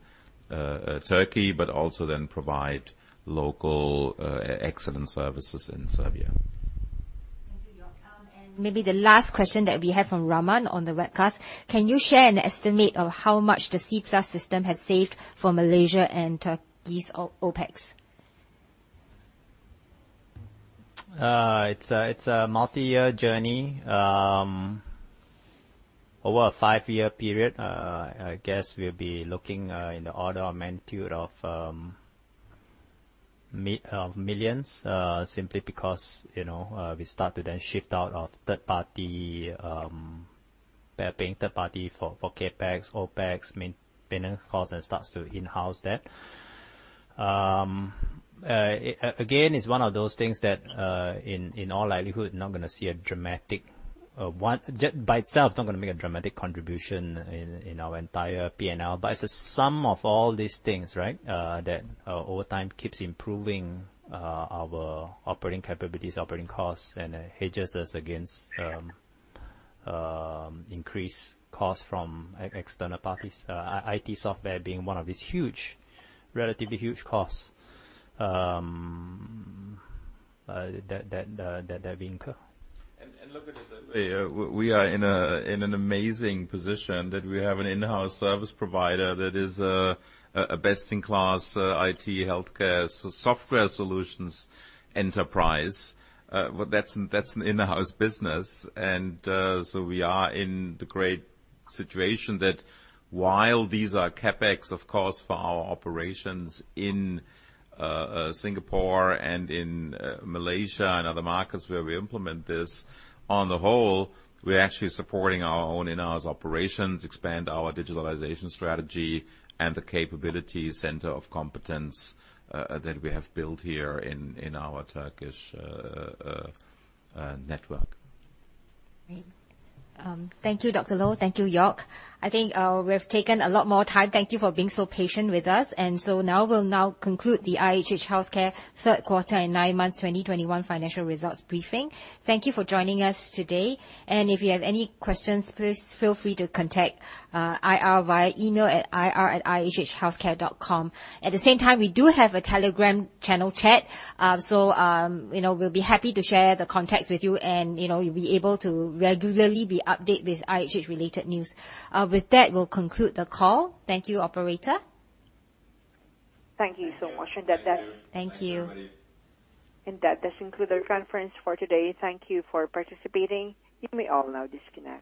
Turkey, but also then provide local excellent services in Serbia. Thank you, Joerg. Maybe the last question that we have from Raman on the webcast. Can you share an estimate of how much the CPlus system has saved for Malaysia and Turkey's OPEX? It's a multi-year journey. Over a five-year period, I guess we'll be looking in the order of magnitude of millions, simply because, you know, we start to then shift out of third party, paying third party for CapEx, OPEX, maintenance costs and starts to in-house that. Again, it's one of those things that in all likelihood not gonna see a dramatic. By itself not gonna make a dramatic contribution in our entire P&L. It's a sum of all these things, right, that over time keeps improving our operating capabilities, operating costs, and hedges us against increased costs from external parties, IT software being one of these huge, relatively huge costs that we incur. Look at it that way. We are in an amazing position that we have an in-house service provider that is a best in class IT healthcare, so software solutions enterprise. Well, that's an in-house business. So we are in the great situation that while these are CapEx, of course, for our operations in Singapore and in Malaysia and other markets where we implement this, on the whole, we're actually supporting our own in-house operations, expand our digitalization strategy and the capability center of competence that we have built here in our Turkish network. Great. Thank you, Dr. Loh. Thank you, Joerg. I think we've taken a lot more time. Thank you for being so patient with us. We'll conclude the IHH Healthcare third quarter and 9 months 2021 financial results briefing. Thank you for joining us today. If you have any questions, please feel free to contact IR via email at ir@ihhhealthcare.com. At the same time, we do have a Telegram channel chat, so you know, we'll be happy to share the contact with you and you know, you'll be able to regularly be updated with IHH-related news. With that, we'll conclude the call. Thank you, operator. Thank you so much. Thank you. Thank you. Thank you, everybody. That does conclude our conference for today. Thank you for participating. You may all now disconnect.